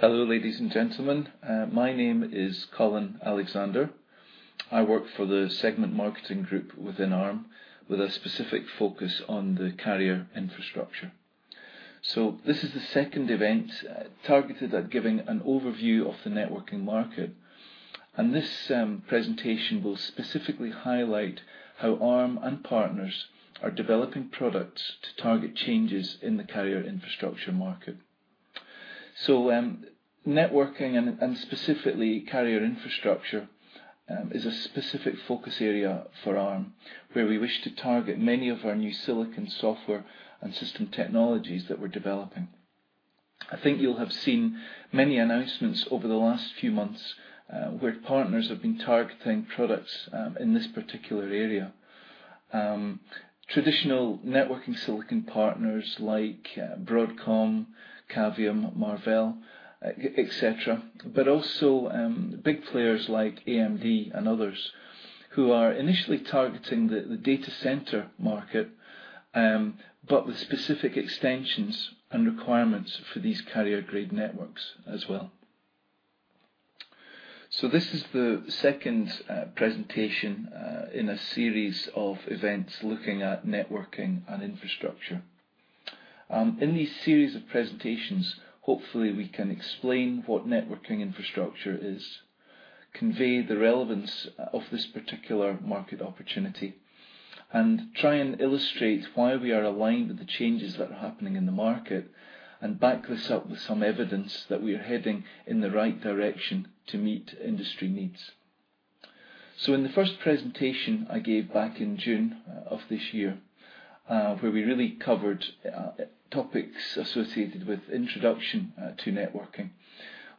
Hello, ladies and gentlemen. My name is Colin Alexander. I work for the Segment Marketing Group within Arm, with a specific focus on the carrier infrastructure. This is the second event targeted at giving an overview of the networking market, and this presentation will specifically highlight how Arm and partners are developing products to target changes in the carrier infrastructure market. Networking and specifically carrier infrastructure is a specific focus area for Arm, where we wish to target many of our new silicon software and system technologies that we're developing. I think you'll have seen many announcements over the last few months, where partners have been targeting products in this particular area. Traditional networking silicon partners like Broadcom, Cavium, Marvell, et cetera, but also big players like AMD and others who are initially targeting the data center market, but with specific extensions and requirements for these carrier-grade networks as well. This is the second presentation in a series of events looking at networking and infrastructure. In these series of presentations, hopefully we can explain what networking infrastructure is, convey the relevance of this particular market opportunity, and try and illustrate why we are aligned with the changes that are happening in the market, and back this up with some evidence that we are heading in the right direction to meet industry needs. In the first presentation I gave back in June of this year, where we really covered topics associated with introduction to networking.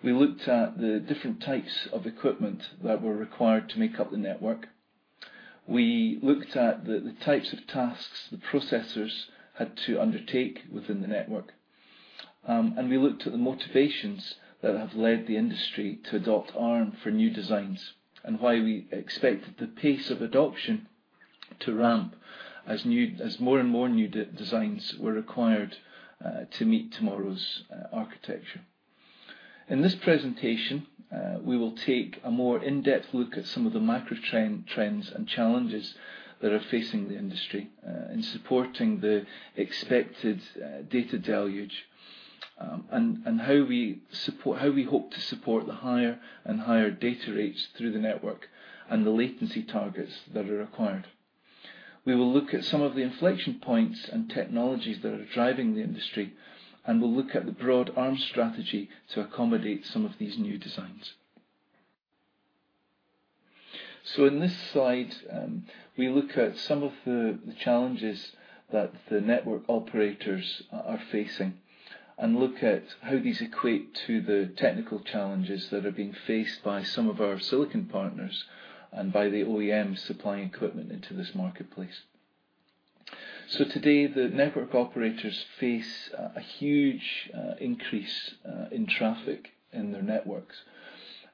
We looked at the different types of equipment that were required to make up the network. We looked at the types of tasks the processors had to undertake within the network. We looked at the motivations that have led the industry to adopt Arm for new designs, and why we expected the pace of adoption to ramp as more and more new designs were required to meet tomorrow's architecture. In this presentation, we will take a more in-depth look at some of the macro trends and challenges that are facing the industry in supporting the expected data deluge, and how we hope to support the higher and higher data rates through the network and the latency targets that are required. We will look at some of the inflection points and technologies that are driving the industry, and we'll look at the broad Arm strategy to accommodate some of these new designs. In this slide, we look at some of the challenges that the network operators are facing and look at how these equate to the technical challenges that are being faced by some of our silicon partners and by the OEMs supplying equipment into this marketplace. Today, the network operators face a huge increase in traffic in their networks.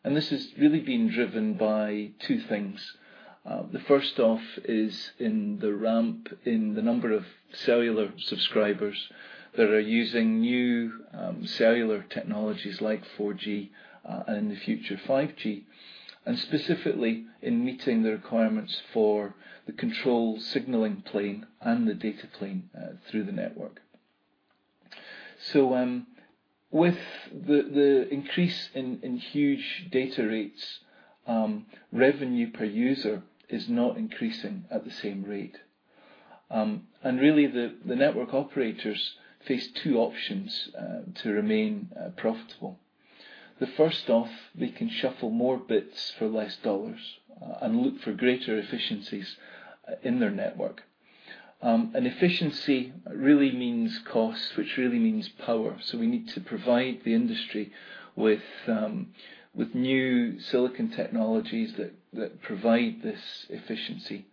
This has really been driven by two things. The first off is in the ramp in the number of cellular subscribers that are using new cellular technologies like 4G, and in the future 5G. Specifically in meeting the requirements for the control signaling plane and the data plane through the network. With the increase in huge data rates, revenue per user is not increasing at the same rate. Really the network operators face two options to remain profitable. The first off, they can shuffle more bits for less GBP, and look for greater efficiencies in their network. Efficiency really means cost, which really means power. We need to provide the industry with new silicon technologies that provide this efficiency.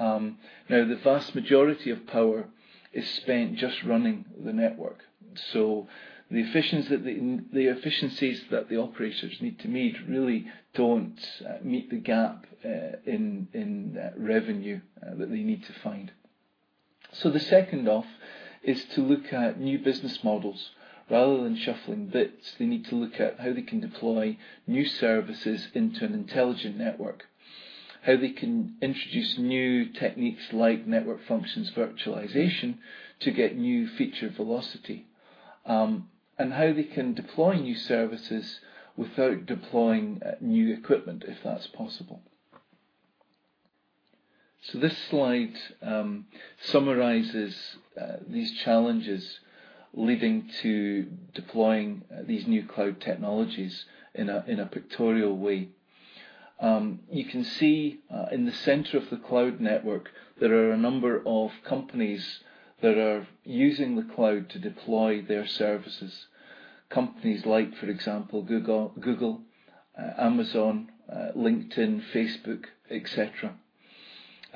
Now, the vast majority of power is spent just running the network. The efficiencies that the operators need to meet really don't meet the gap in revenue that they need to find. The second off is to look at new business models. Rather than shuffling bits, they need to look at how they can deploy new services into an intelligent network. How they can introduce new techniques like Network Functions Virtualization to get new feature velocity. How they can deploy new services without deploying new equipment, if that's possible. This slide summarizes these challenges leading to deploying these new cloud technologies in a pictorial way. You can see in the center of the cloud network, there are a number of companies that are using the cloud to deploy their services. Companies like, for example, Google, Amazon, LinkedIn, Facebook, et cetera.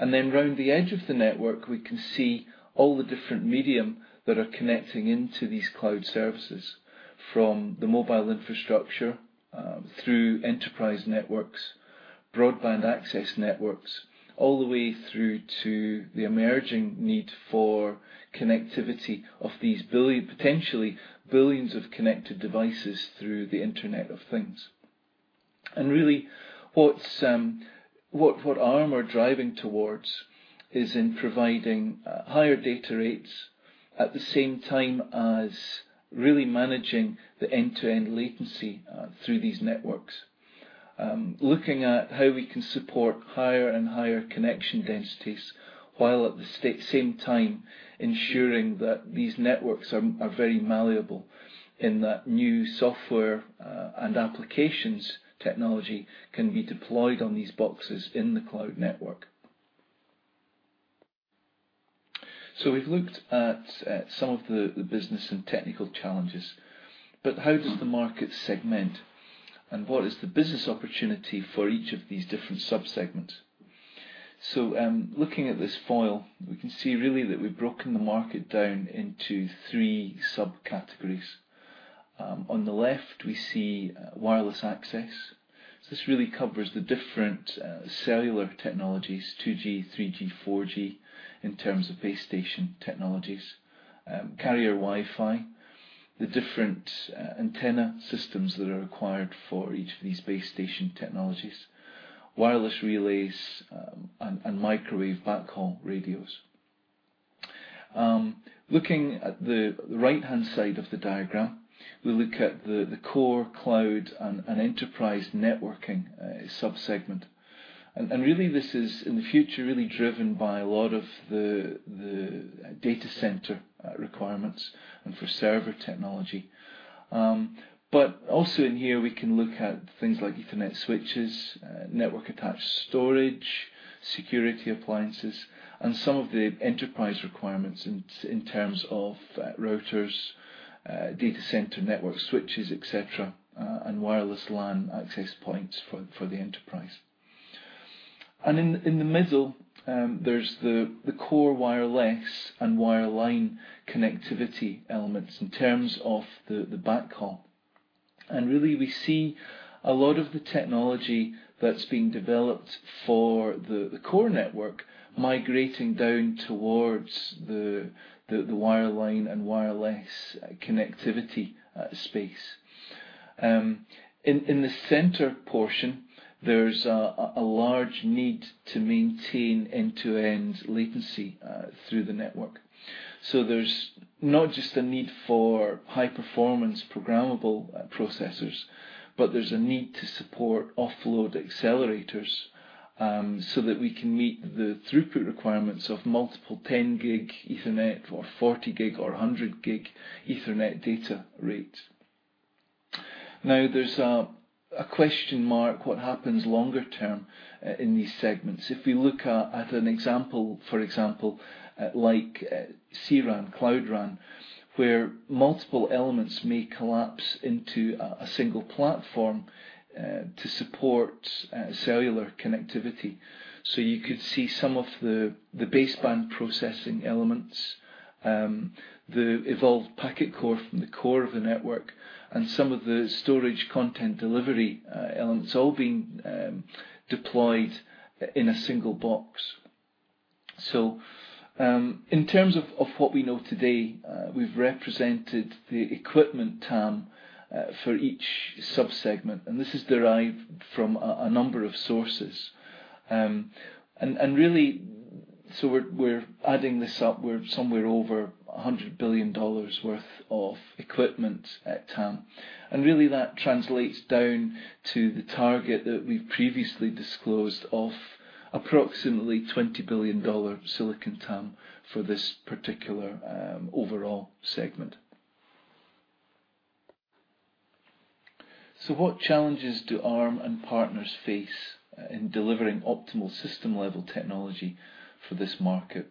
Around the edge of the network, we can see all the different medium that are connecting into these cloud services, from the mobile infrastructure, through enterprise networks broadband access networks all the way through to the emerging need for connectivity of these potentially billions of connected devices through the Internet of Things. Really what Arm are driving towards is in providing higher data rates at the same time as really managing the end-to-end latency through these networks. Looking at how we can support higher and higher connection densities, while at the same time ensuring that these networks are very malleable in that new software and applications technology can be deployed on these boxes in the cloud network. We've looked at some of the business and technical challenges, but how does the market segment, and what is the business opportunity for each of these different sub-segments? Looking at this foil, we can see really that we've broken the market down into three subcategories. On the left, we see wireless access. This really covers the different cellular technologies, 2G, 3G, 4G, in terms of base station technologies. Carrier Wi-Fi, the different antenna systems that are required for each of these base station technologies, wireless relays and microwave backhaul radios. Looking at the right-hand side of the diagram, we look at the core cloud and enterprise networking sub-segment. Really this is, in the future, really driven by a lot of the data center requirements and for server technology. Also in here, we can look at things like Ethernet switches, network attached storage, security appliances, and some of the enterprise requirements in terms of routers, data center network switches, et cetera, and wireless LAN access points for the enterprise. In the middle, there's the core wireless and wireline connectivity elements in terms of the backhaul. Really we see a lot of the technology that's being developed for the core network migrating down towards the wireline and wireless connectivity space. In the center portion, there's a large need to maintain end-to-end latency through the network. There's not just a need for high-performance programmable processors, but there's a need to support offload accelerators, so that we can meet the throughput requirements of multiple 10 gig Ethernet or 40 gig or 100 gig Ethernet data rates. There's a question mark what happens longer term in these segments. If we look at an example, for example, like C-RAN, Cloud RAN, where multiple elements may collapse into a single platform to support cellular connectivity. You could see some of the baseband processing elements, the evolved packet core from the core of the network, and some of the storage content delivery elements all being deployed in a single box. In terms of what we know today, we've represented the equipment TAM for each sub-segment, and this is derived from a number of sources. We're adding this up, we're somewhere over $100 billion worth of equipment TAM, and really that translates down to the target that we've previously disclosed of approximately $20 billion silicon TAM for this particular overall segment. What challenges do Arm and partners face in delivering optimal system-level technology for this market?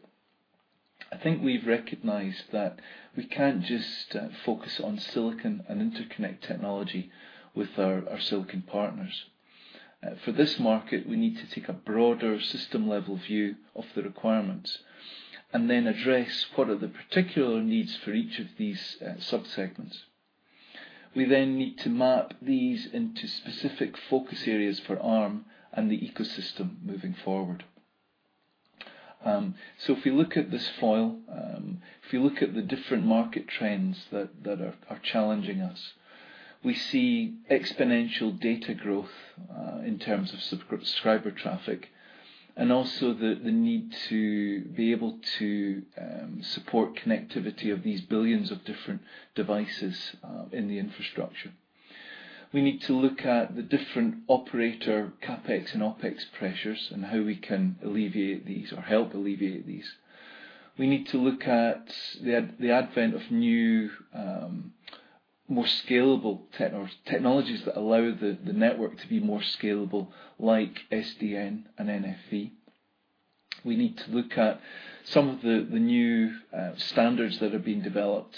I think we've recognized that we can't just focus on silicon and interconnect technology with our silicon partners. For this market, we need to take a broader system-level view of the requirements and then address what are the particular needs for each of these sub-segments. We then need to map these into specific focus areas for Arm and the ecosystem moving forward. If you look at this foil, if you look at the different market trends that are challenging us, we see exponential data growth in terms of subscriber traffic, and also the need to be able to support connectivity of these billions of different devices in the infrastructure. We need to look at the different operator CapEx and OpEx pressures and how we can alleviate these or help alleviate these. We need to look at the advent of new, more scalable technologies that allow the network to be more scalable, like SDN and NFV. We need to look at some of the new standards that have been developed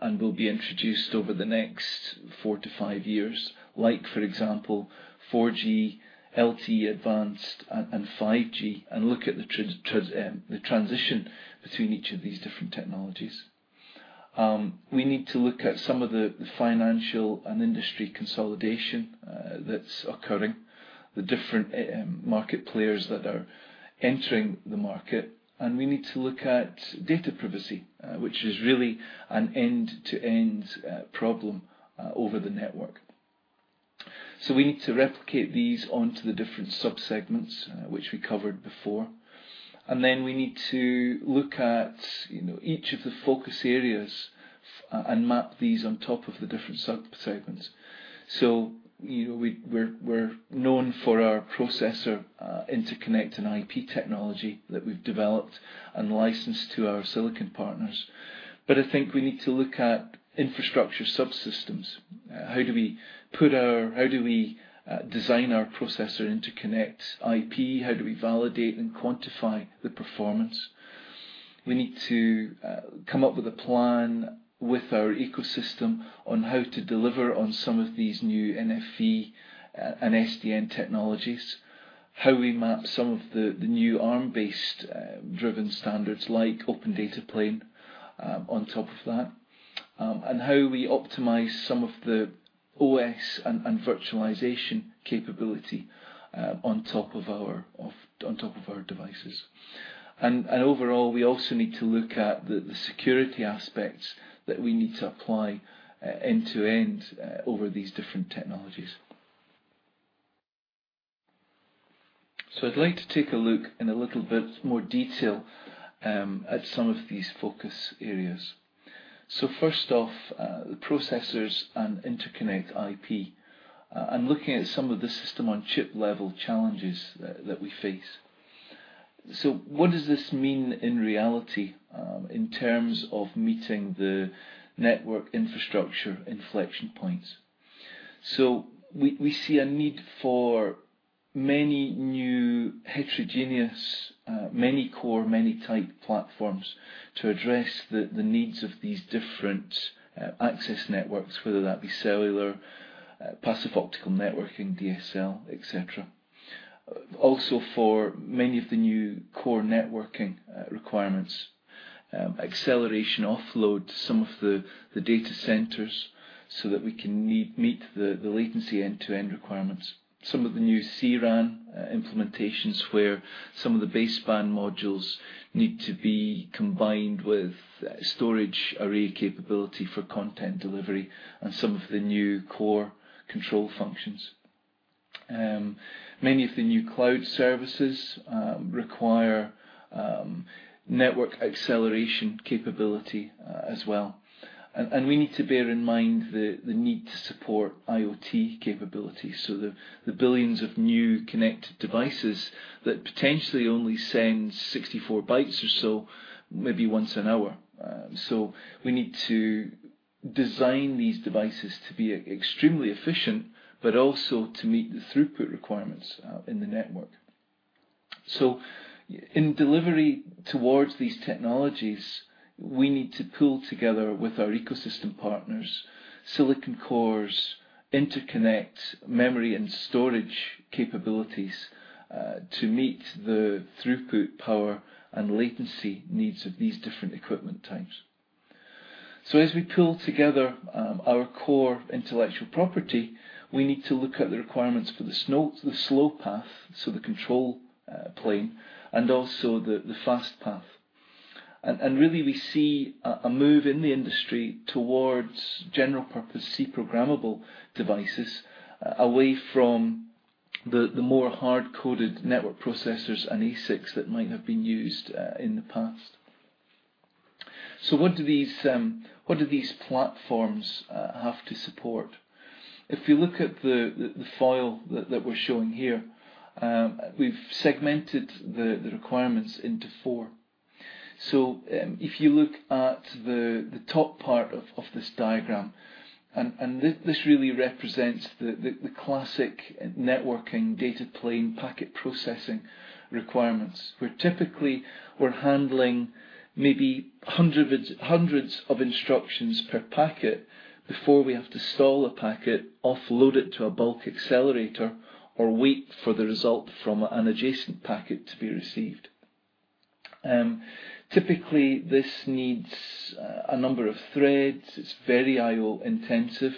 and will be introduced over the next four to five years. Like, for example, 4G, LTE Advanced, and 5G, and look at the transition between each of these different technologies. We need to look at some of the financial and industry consolidation that's occurring, the different market players that are entering the market, and we need to look at data privacy, which is really an end-to-end problem over the network. We need to replicate these onto the different sub-segments, which we covered before. We need to look at each of the focus areas and map these on top of the different sub-segments. We're known for our processor interconnect and IP technology that we've developed and licensed to our silicon partners. I think we need to look at infrastructure subsystems. How do we design our processor interconnect IP? How do we validate and quantify the performance? We need to come up with a plan with our ecosystem on how to deliver on some of these new NFV and SDN technologies. How we map some of the new Arm-based driven standards like OpenDataPlane on top of that. How we optimize some of the OS and virtualization capability on top of our devices. Overall, we also need to look at the security aspects that we need to apply end-to-end over these different technologies. I'd like to take a look in a little bit more detail at some of these focus areas. First off, processors and interconnect IP, and looking at some of the system-on-chip level challenges that we face. What does this mean in reality in terms of meeting the network infrastructure inflection points? We see a need for many new heterogeneous, many core, many type platforms to address the needs of these different access networks, whether that be cellular, passive optical networking, DSL, et cetera. Also for many of the new core networking requirements, acceleration offload to some of the data centers so that we can meet the latency end-to-end requirements. Some of the new C-RAN implementations where some of the baseband modules need to be combined with storage array capability for content delivery and some of the new core control functions. Many of the new cloud services require network acceleration capability as well. We need to bear in mind the need to support IoT capabilities. The billions of new connected devices that potentially only send 64 bytes or so maybe once an hour. We need to design these devices to be extremely efficient, but also to meet the throughput requirements in the network. In delivery towards these technologies, we need to pull together with our ecosystem partners silicon cores, interconnect memory and storage capabilities to meet the throughput power and latency needs of these different equipment types. As we pull together our core intellectual property, we need to look at the requirements for the slow path, the control plane, and also the fast path. Really we see a move in the industry towards general purpose C programmable devices away from the more hard-coded network processors and ASICs that might have been used in the past. What do these platforms have to support? If you look at the foil that we're showing here, we've segmented the requirements into four. If you look at the top part of this diagram, this really represents the classic networking data plane packet processing requirements, where typically we're handling maybe hundreds of instructions per packet before we have to stall a packet, offload it to a bulk accelerator, or wait for the result from an adjacent packet to be received. Typically, this needs a number of threads. It's very IO-intensive,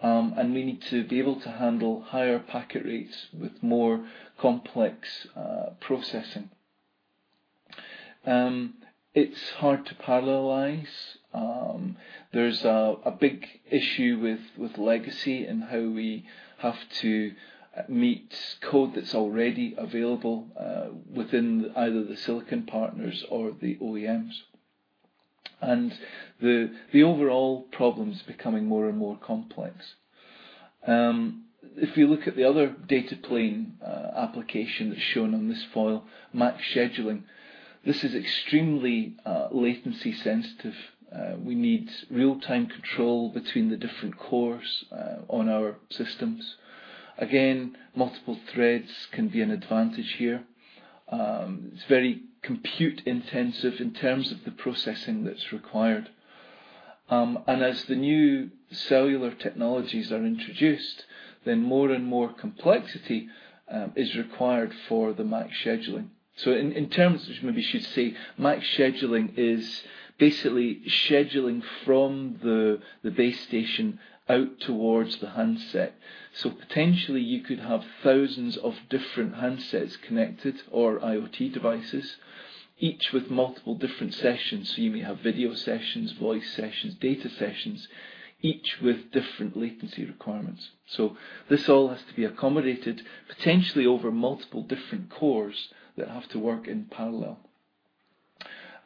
and we need to be able to handle higher packet rates with more complex processing. It's hard to parallelize. There's a big issue with legacy and how we have to meet code that's already available within either the silicon partners or the OEMs. The overall problem is becoming more and more complex. If you look at the other data plane application that's shown on this foil, MAC scheduling, this is extremely latency sensitive. We need real-time control between the different cores on our systems. Again, multiple threads can be an advantage here. It's very compute-intensive in terms of the processing that's required. As the new cellular technologies are introduced, more and more complexity is required for the MAC scheduling. In terms, which maybe I should say, MAC scheduling is basically scheduling from the base station out towards the handset. Potentially you could have thousands of different handsets connected or IoT devices, each with multiple different sessions. You may have video sessions, voice sessions, data sessions, each with different latency requirements. This all has to be accommodated potentially over multiple different cores that have to work in parallel.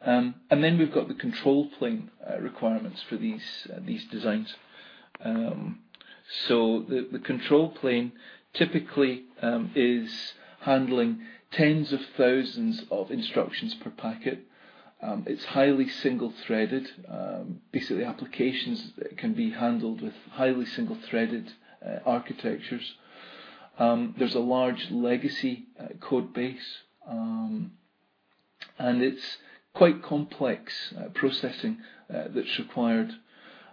We've got the control plane requirements for these designs. The control plane typically is handling tens of thousands of instructions per packet. It's highly single-threaded. Basically, applications can be handled with highly single-threaded architectures. There's a large legacy code base, and it's quite complex processing that's required.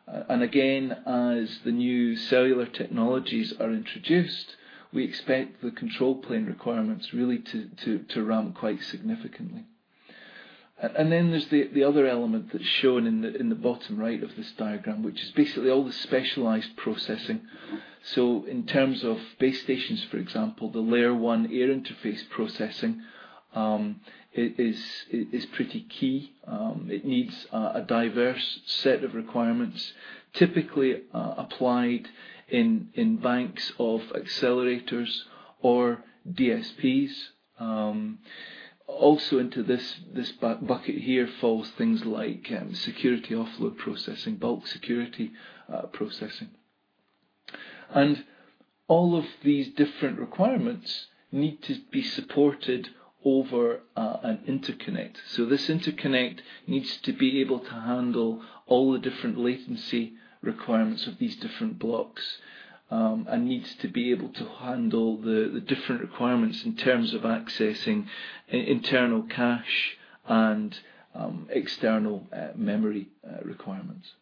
Again, as the new cellular technologies are introduced, we expect the control plane requirements really to ramp quite significantly. There's the other element that's shown in the bottom right of this diagram, which is basically all the specialized processing. In terms of base stations, for example, the layer one air interface processing is pretty key. It needs a diverse set of requirements, typically applied in banks of accelerators or DSPs. Also into this bucket here falls things like security offload processing, bulk security processing. All of these different requirements need to be supported over an interconnect. This interconnect needs to be able to handle all the different latency requirements of these different blocks, and needs to be able to handle the different requirements in terms of accessing internal cache and external memory requirements.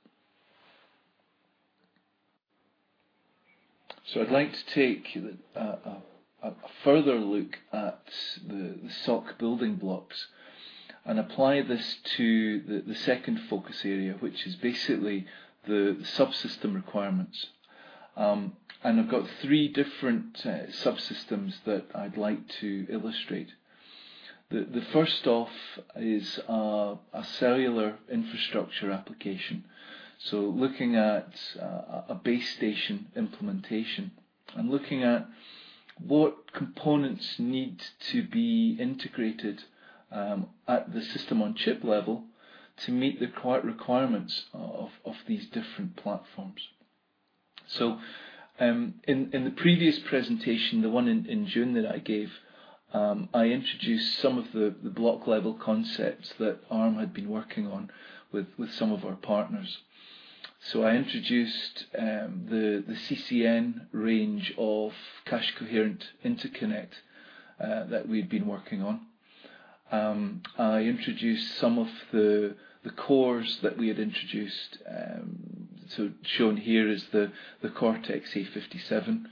I'd like to take a further look at the SoC building blocks and apply this to the second focus area, which is basically the subsystem requirements. I've got three different subsystems that I'd like to illustrate. The first off is a cellular infrastructure application. Looking at a base station implementation and looking at what components need to be integrated at the system-on-chip level to meet the requirements of these different platforms. In the previous presentation, the one in June that I gave, I introduced some of the block-level concepts that Arm had been working on with some of our partners. I introduced the CCN range of cache coherent interconnect that we'd been working on. I introduced some of the cores that we had introduced. Shown here is the Cortex-A57,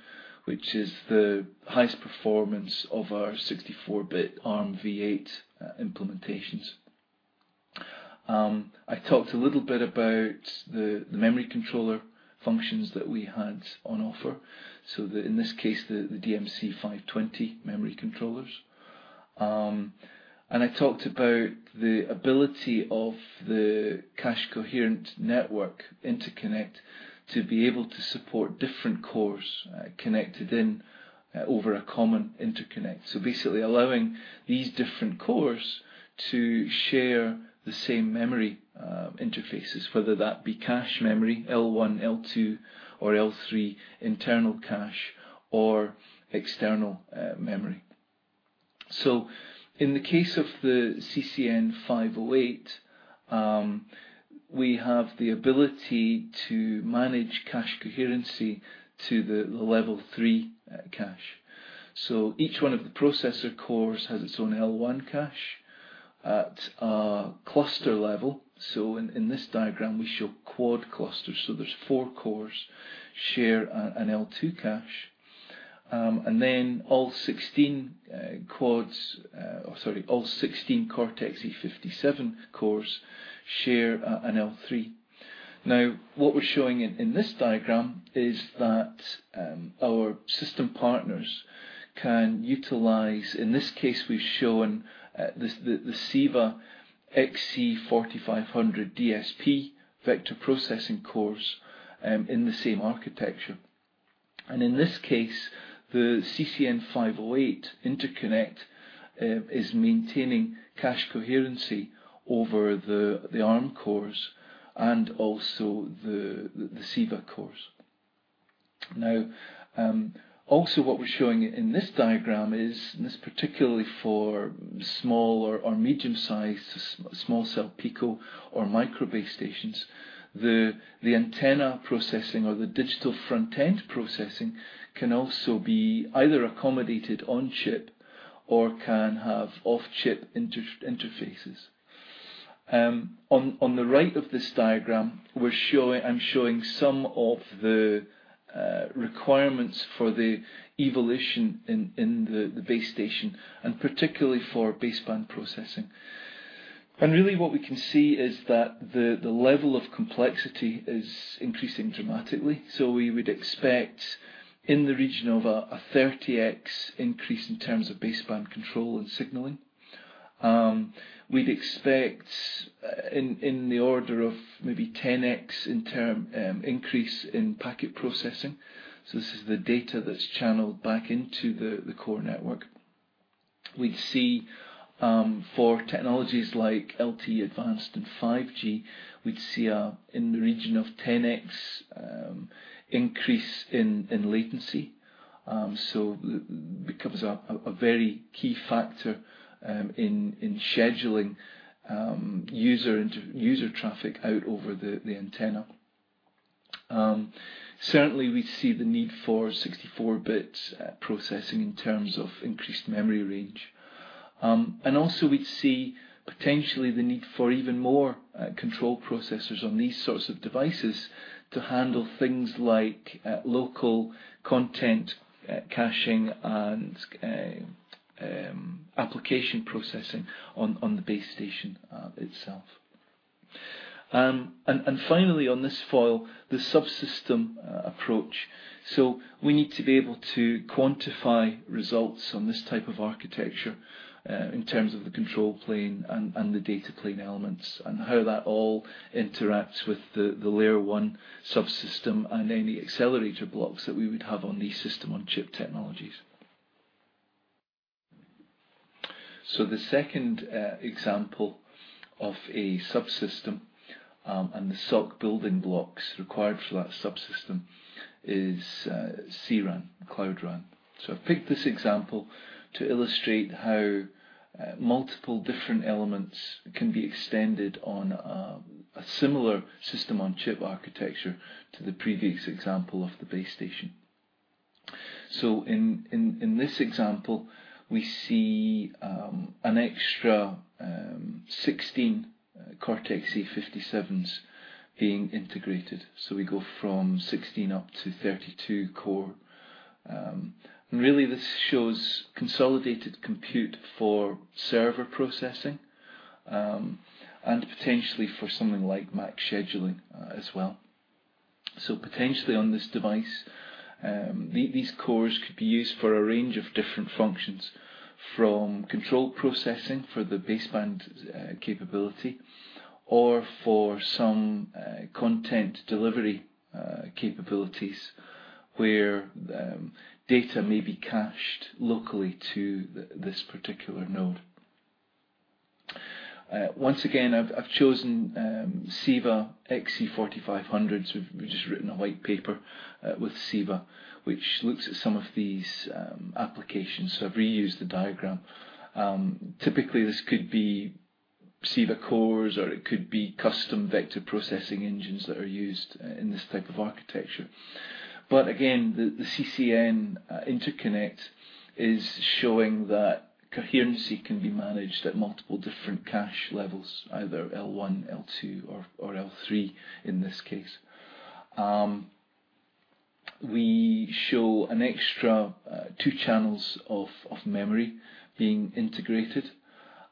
which is the highest performance of our 64-bit Armv8 implementations. I talked a little bit about the memory controller functions that we had on offer, so in this case, the DMC 520 memory controllers. I talked about the ability of the cache coherent network interconnect to be able to support different cores connected in over a common interconnect. Basically allowing these different cores to share the same memory interfaces, whether that be cache memory, L1, L2, or L3 internal cache or external memory. In the case of the CCN-508, we have the ability to manage cache coherency to the level 3 cache. Each one of the processor cores has its own L1 cache at a cluster level. In this diagram, we show quad clusters. There's 4 cores share an L2 cache, and then all 16 cores, or sorry, all 16 Cortex-A57 cores share an L3. What we're showing in this diagram is that our system partners can utilize, in this case, we've shown the CEVA-XC4500 DSP vector processing cores in the same architecture. In this case, the CoreLink CCN-508 interconnect is maintaining cache coherency over the Arm cores and also the CEVA cores. Also what we're showing in this diagram is, and it's particularly for small or medium-sized small cell Pico or micro base stations, the antenna processing or the digital front-end processing can also be either accommodated on-chip or can have off-chip interfaces. On the right of this diagram, I'm showing some of the requirements for the evolution in the base station, and particularly for baseband processing. Really what we can see is that the level of complexity is increasing dramatically. We would expect in the region of a 30X increase in terms of baseband control and signaling. We'd expect in the order of maybe 10X increase in packet processing. This is the data that's channeled back into the core network. We'd see for technologies like LTE Advanced and 5G, we'd see in the region of 10X increase in latency. It becomes a very key factor in scheduling user traffic out over the antenna. Certainly, we'd see the need for 64-bit processing in terms of increased memory range. Also we'd see potentially the need for even more control processors on these sorts of devices to handle things like local content caching and application processing on the base station itself. Finally, on this foil, the subsystem approach. We need to be able to quantify results on this type of architecture in terms of the control plane and the data plane elements, and how that all interacts with the layer 1 subsystem and any accelerator blocks that we would have on these system-on-chip technologies. The second example of a subsystem and the SoC building blocks required for that subsystem is C-RAN, Cloud RAN. I've picked this example to illustrate how multiple different elements can be extended on a similar system-on-chip architecture to the previous example of the base station. In this example, we see an extra 16 Cortex-A57s being integrated. We go from 16 up to 32 core. Really this shows consolidated compute for server processing, and potentially for something like MAC scheduling as well. Potentially on this device, these cores could be used for a range of different functions, from control processing for the baseband capability, or for some content delivery capabilities where data may be cached locally to this particular node. Once again, I've chosen CEVA-XC4500. We've just written a white paper with CEVA, which looks at some of these applications. I've reused the diagram. Typically, this could be CEVA cores, or it could be custom vector processing engines that are used in this type of architecture. Again, the CoreLink CCN interconnect is showing that coherency can be managed at multiple different cache levels, either L1, L2 or L3 in this case. We show an extra 2 channels of memory being integrated.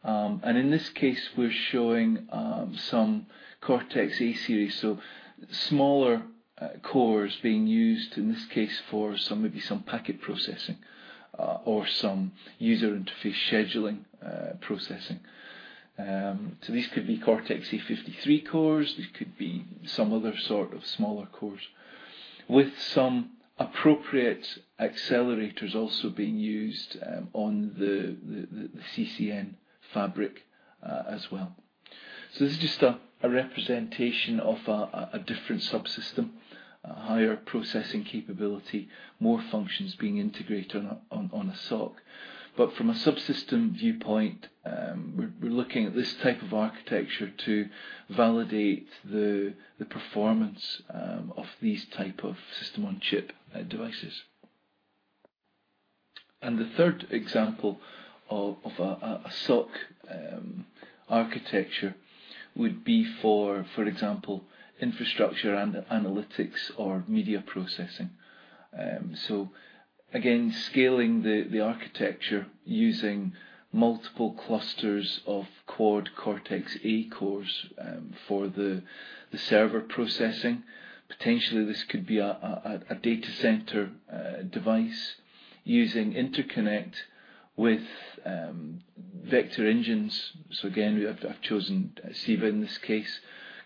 In this case, we're showing some Cortex-A series, smaller cores being used in this case for maybe some packet processing or some user interface scheduling processing. These could be Cortex-A53 cores. These could be some other sort of smaller cores with some appropriate accelerators also being used on the CCN fabric as well. This is just a representation of a different subsystem, a higher processing capability, more functions being integrated on a SoC. But from a subsystem viewpoint, we're looking at this type of architecture to validate the performance of these type of system-on-chip devices. The third example of a SoC architecture would be for example, infrastructure and analytics or media processing. Again, scaling the architecture using multiple clusters of quad Cortex-A cores for the server processing. Potentially this could be a data center device using interconnect with vector engines. Again, I've chosen CEVA in this case.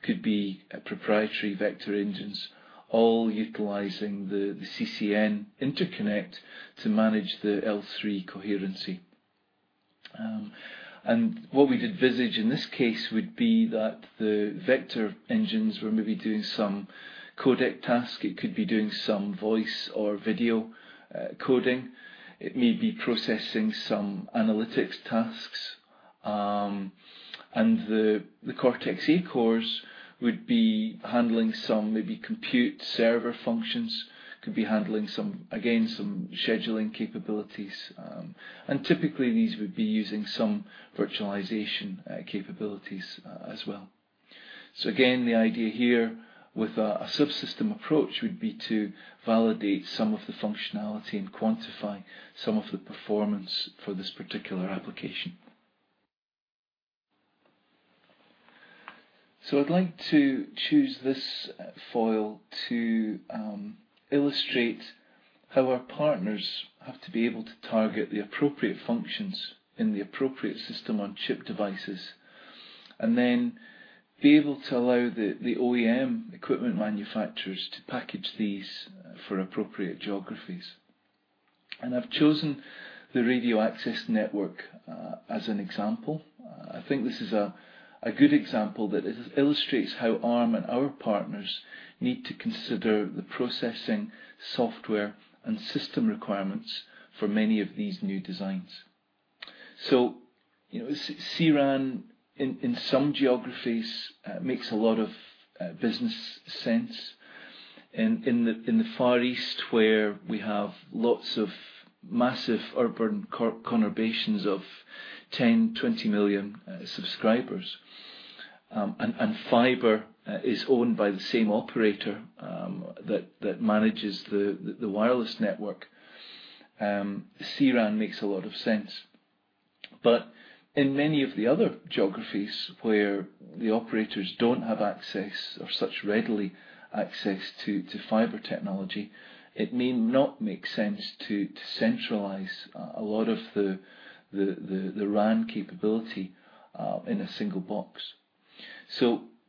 Could be proprietary vector engines, all utilizing the CCN interconnect to manage the L3 coherency. What we'd envisage in this case would be that the vector engines were maybe doing some codec task. It could be doing some voice or video coding. It may be processing some analytics tasks. The Cortex-A cores would be handling some maybe compute server functions. Could be handling, again, some scheduling capabilities. Typically these would be using some virtualization capabilities as well. Again, the idea here with a subsystem approach would be to validate some of the functionality and quantify some of the performance for this particular application. I'd like to choose this foil to illustrate how our partners have to be able to target the appropriate functions in the appropriate system-on-chip devices, and then be able to allow the OEM equipment manufacturers to package these for appropriate geographies. I've chosen the radio access network as an example. I think this is a good example that illustrates how Arm and our partners need to consider the processing, software, and system requirements for many of these new designs. CRAN in some geographies makes a lot of business sense. In the Far East, where we have lots of massive urban conurbations of 10, 20 million subscribers, and fiber is owned by the same operator that manages the wireless network, CRAN makes a lot of sense. In many of the other geographies where the operators don't have access or such readily access to fiber technology, it may not make sense to centralize a lot of the RAN capability in a single box.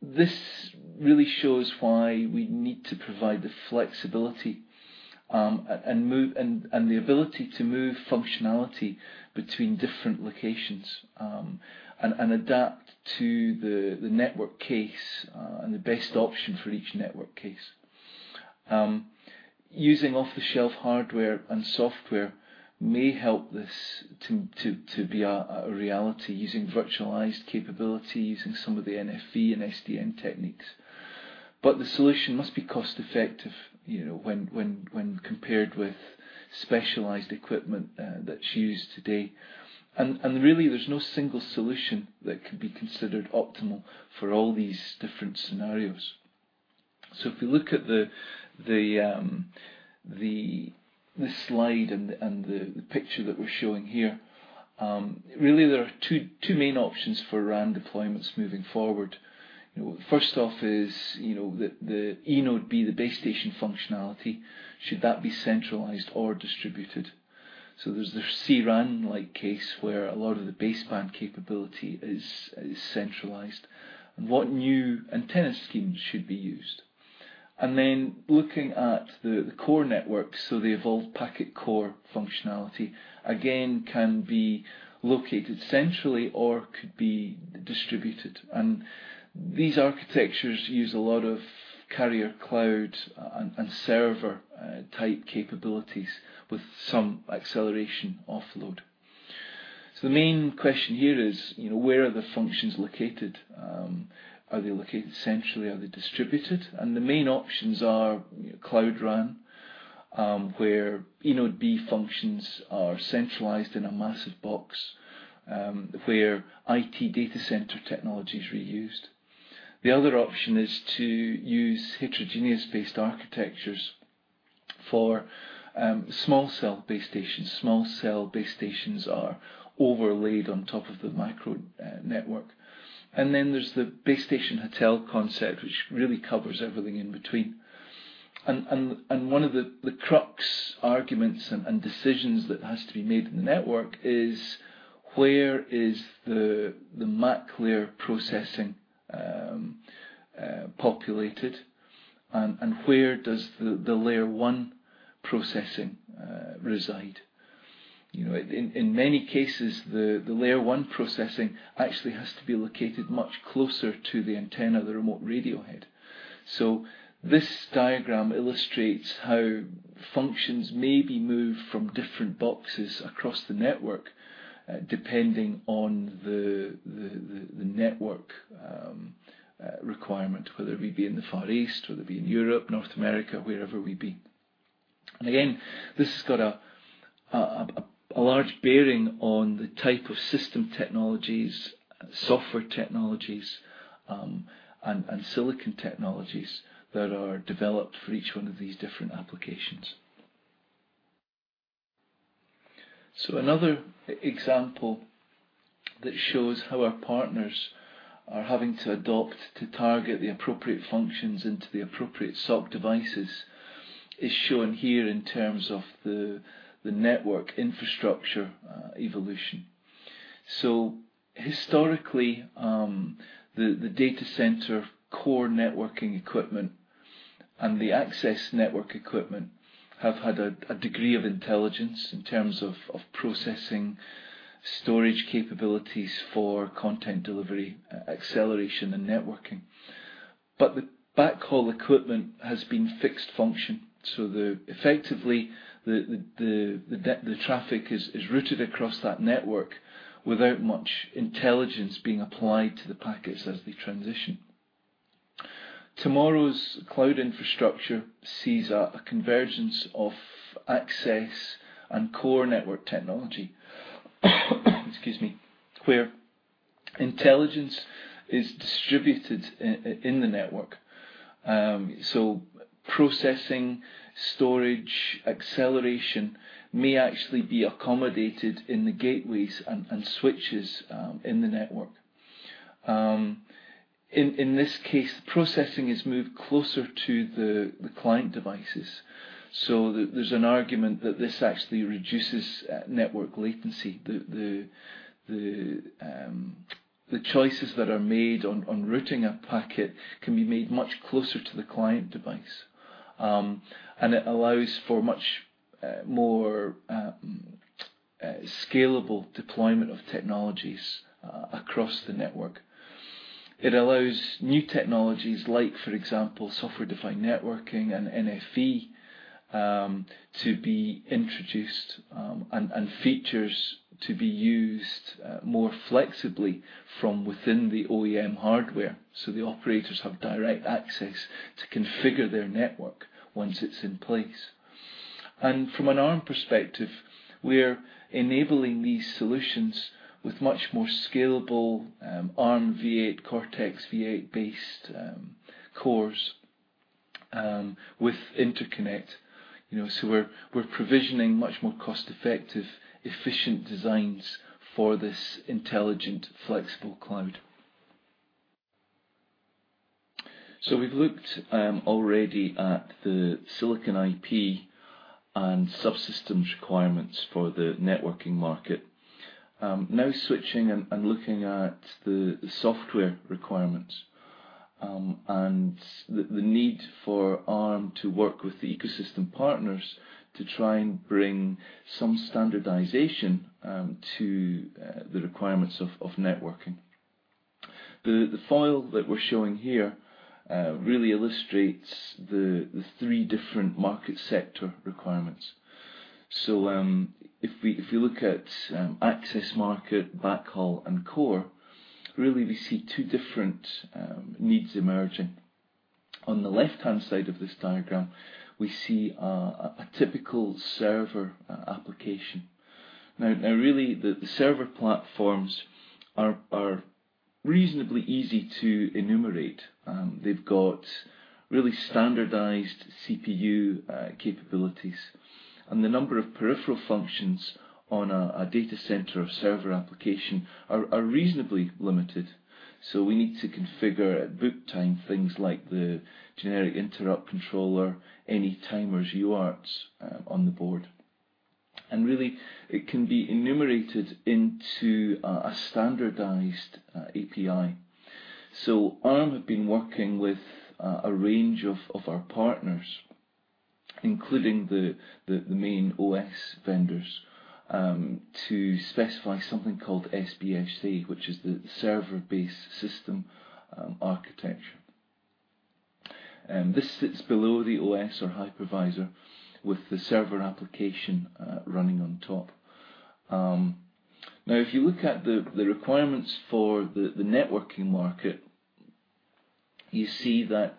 This really shows why we need to provide the flexibility and the ability to move functionality between different locations and adapt to the network case and the best option for each network case. Using off-the-shelf hardware and software may help this to be a reality, using virtualized capability, using some of the NFV and SDN techniques. The solution must be cost-effective when compared with specialized equipment that's used today. Really, there's no single solution that could be considered optimal for all these different scenarios. If you look at this slide and the picture that we're showing here, really, there are two main options for RAN deployments moving forward. First off is the eNodeB, the base station functionality. Should that be centralized or distributed? There's the CRAN-like case where a lot of the baseband capability is centralized, and what new antenna schemes should be used? Looking at the core network, the evolved packet core functionality, again, can be located centrally or could be distributed. These architectures use a lot of carrier cloud and server-type capabilities with some acceleration offload. The main question here is, where are the functions located? Are they located centrally? Are they distributed? The main options are Cloud RAN, where eNodeB functions are centralized in a massive box, where IT data center technology is reused. The other option is to use heterogeneous-based architectures for small cell base stations. Small cell base stations are overlaid on top of the macro network. There's the base station hotel concept, which really covers everything in between. One of the crux arguments and decisions that has to be made in the network is where is the MAC layer processing populated and where does the layer one processing reside? In many cases, the layer one processing actually has to be located much closer to the antenna, the remote radio head. This diagram illustrates how functions may be moved from different boxes across the network, depending on the network requirement, whether we be in the Far East, whether it be in Europe, North America, wherever we be. Again, this has got a large bearing on the type of system technologies, software technologies, and silicon technologies that are developed for each one of these different applications. Another example that shows how our partners are having to adopt to target the appropriate functions into the appropriate SoC devices is shown here in terms of the network infrastructure evolution. Historically, the data center core networking equipment and the access network equipment have had a degree of intelligence in terms of processing storage capabilities for content delivery, acceleration, and networking. The backhaul equipment has been fixed function. Effectively, the traffic is routed across that network without much intelligence being applied to the packets as they transition. Tomorrow's cloud infrastructure sees a convergence of access and core network technology, excuse me, where intelligence is distributed in the network. Processing, storage, acceleration may actually be accommodated in the gateways and switches in the network. In this case, the processing is moved closer to the client devices. There's an argument that this actually reduces network latency. The choices that are made on routing a packet can be made much closer to the client device, and it allows for much more scalable deployment of technologies across the network. It allows new technologies like, for example, software-defined networking and NFV, to be introduced, and features to be used more flexibly from within the OEM hardware. The operators have direct access to configure their network once it's in place. From an Arm perspective, we're enabling these solutions with much more scalable Armv8, Cortex-v8-based cores with interconnect. We're provisioning much more cost-effective, efficient designs for this intelligent, flexible cloud. We've looked already at the silicon IP and subsystems requirements for the networking market. Now switching and looking at the software requirements, and the need for Arm to work with the ecosystem partners to try and bring some standardization to the requirements of networking. The foil that we're showing here really illustrates the three different market sector requirements. If we look at access market, backhaul, and core, really we see two different needs emerging. On the left-hand side of this diagram, we see a typical server application. Really, the server platforms are reasonably easy to enumerate. They've got really standardized CPU capabilities, and the number of peripheral functions on a data center or server application are reasonably limited. We need to configure at boot time things like the generic interrupt controller, any timers, UARTs on the board. Really, it can be enumerated into a standardized API. Arm have been working with a range of our partners, including the main OS vendors, to specify something called SBSA, which is the Server Base System Architecture. This sits below the OS or hypervisor with the server application running on top. If you look at the requirements for the networking market, you see that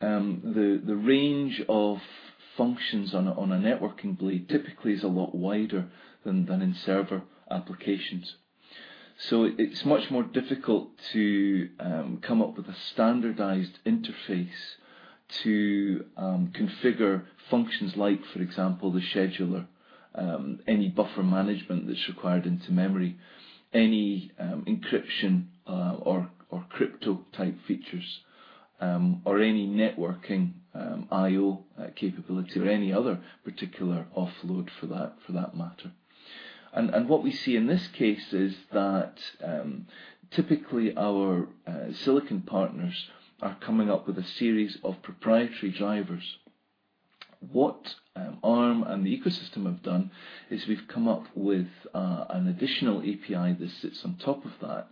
the range of functions on a networking blade typically is a lot wider than in server applications. It's much more difficult to come up with a standardized interface to configure functions like, for example, the scheduler, any buffer management that's required into memory, any encryption or crypto-type features, or any networking IO capability or any other particular offload for that matter. What we see in this case is that, typically our silicon partners are coming up with a series of proprietary drivers. What Arm and the ecosystem have done is we've come up with an additional API that sits on top of that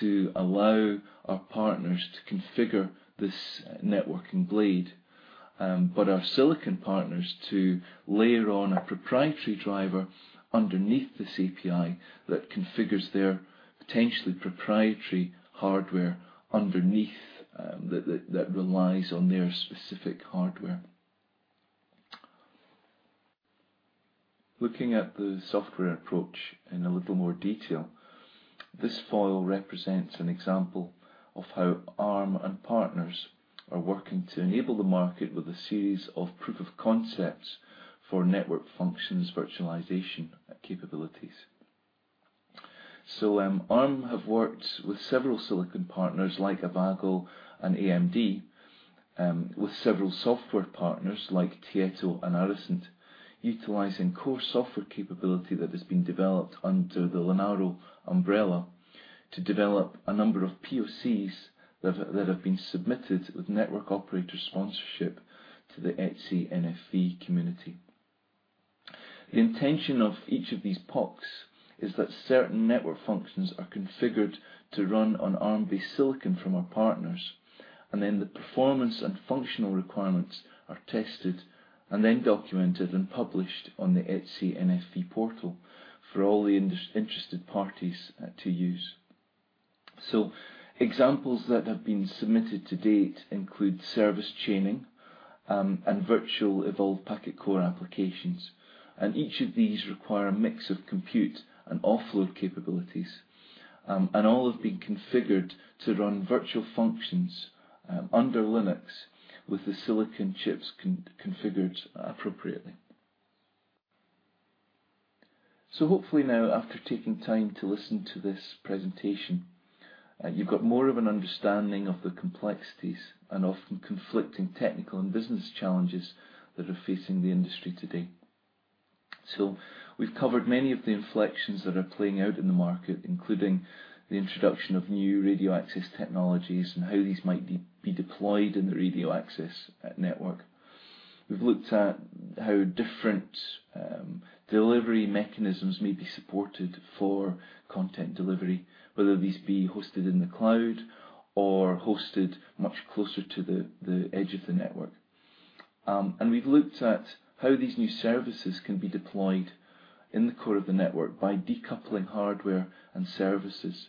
to allow our partners to configure this networking blade, but our silicon partners to layer on a proprietary driver underneath this API that configures their potentially proprietary hardware underneath that relies on their specific hardware. Looking at the software approach in a little more detail. This foil represents an example of how Arm and partners are working to enable the market with a series of proof of concepts for Network Functions Virtualization capabilities. Arm have worked with several silicon partners like Avago and AMD, with several software partners like Tieto and Aricent, utilizing core software capability that has been developed under the Linaro umbrella to develop a number of POCs that have been submitted with network operator sponsorship to the ETSI NFV community. The intention of each of these PoCs is that certain network functions are configured to run on Arm-based silicon from our partners, and then the performance and functional requirements are tested and then documented and published on the ETSI NFV portal for all the interested parties to use. Examples that have been submitted to date include service chaining, and virtual evolved packet core applications. Each of these require a mix of compute and offload capabilities. All have been configured to run virtual functions under Linux with the silicon chips configured appropriately. Hopefully now, after taking time to listen to this presentation, you've got more of an understanding of the complexities and often conflicting technical and business challenges that are facing the industry today. We've covered many of the inflections that are playing out in the market, including the introduction of new radio access technologies and how these might be deployed in the radio access network. We've looked at how different delivery mechanisms may be supported for content delivery, whether these be hosted in the cloud or hosted much closer to the edge of the network. We've looked at how these new services can be deployed in the core of the network by decoupling hardware and services,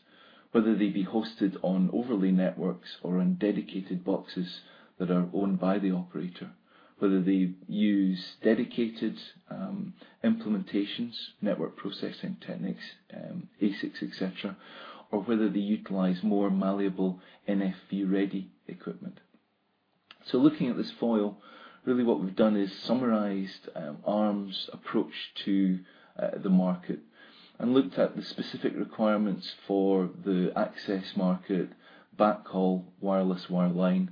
whether they be hosted on overlay networks or on dedicated boxes that are owned by the operator. Whether they use dedicated implementations, network processing techniques, ASICs, et cetera, or whether they utilize more malleable NFV-ready equipment. Looking at this foil, really what we've done is summarized Arm's approach to the market and looked at the specific requirements for the access market, backhaul, wireless, wireline,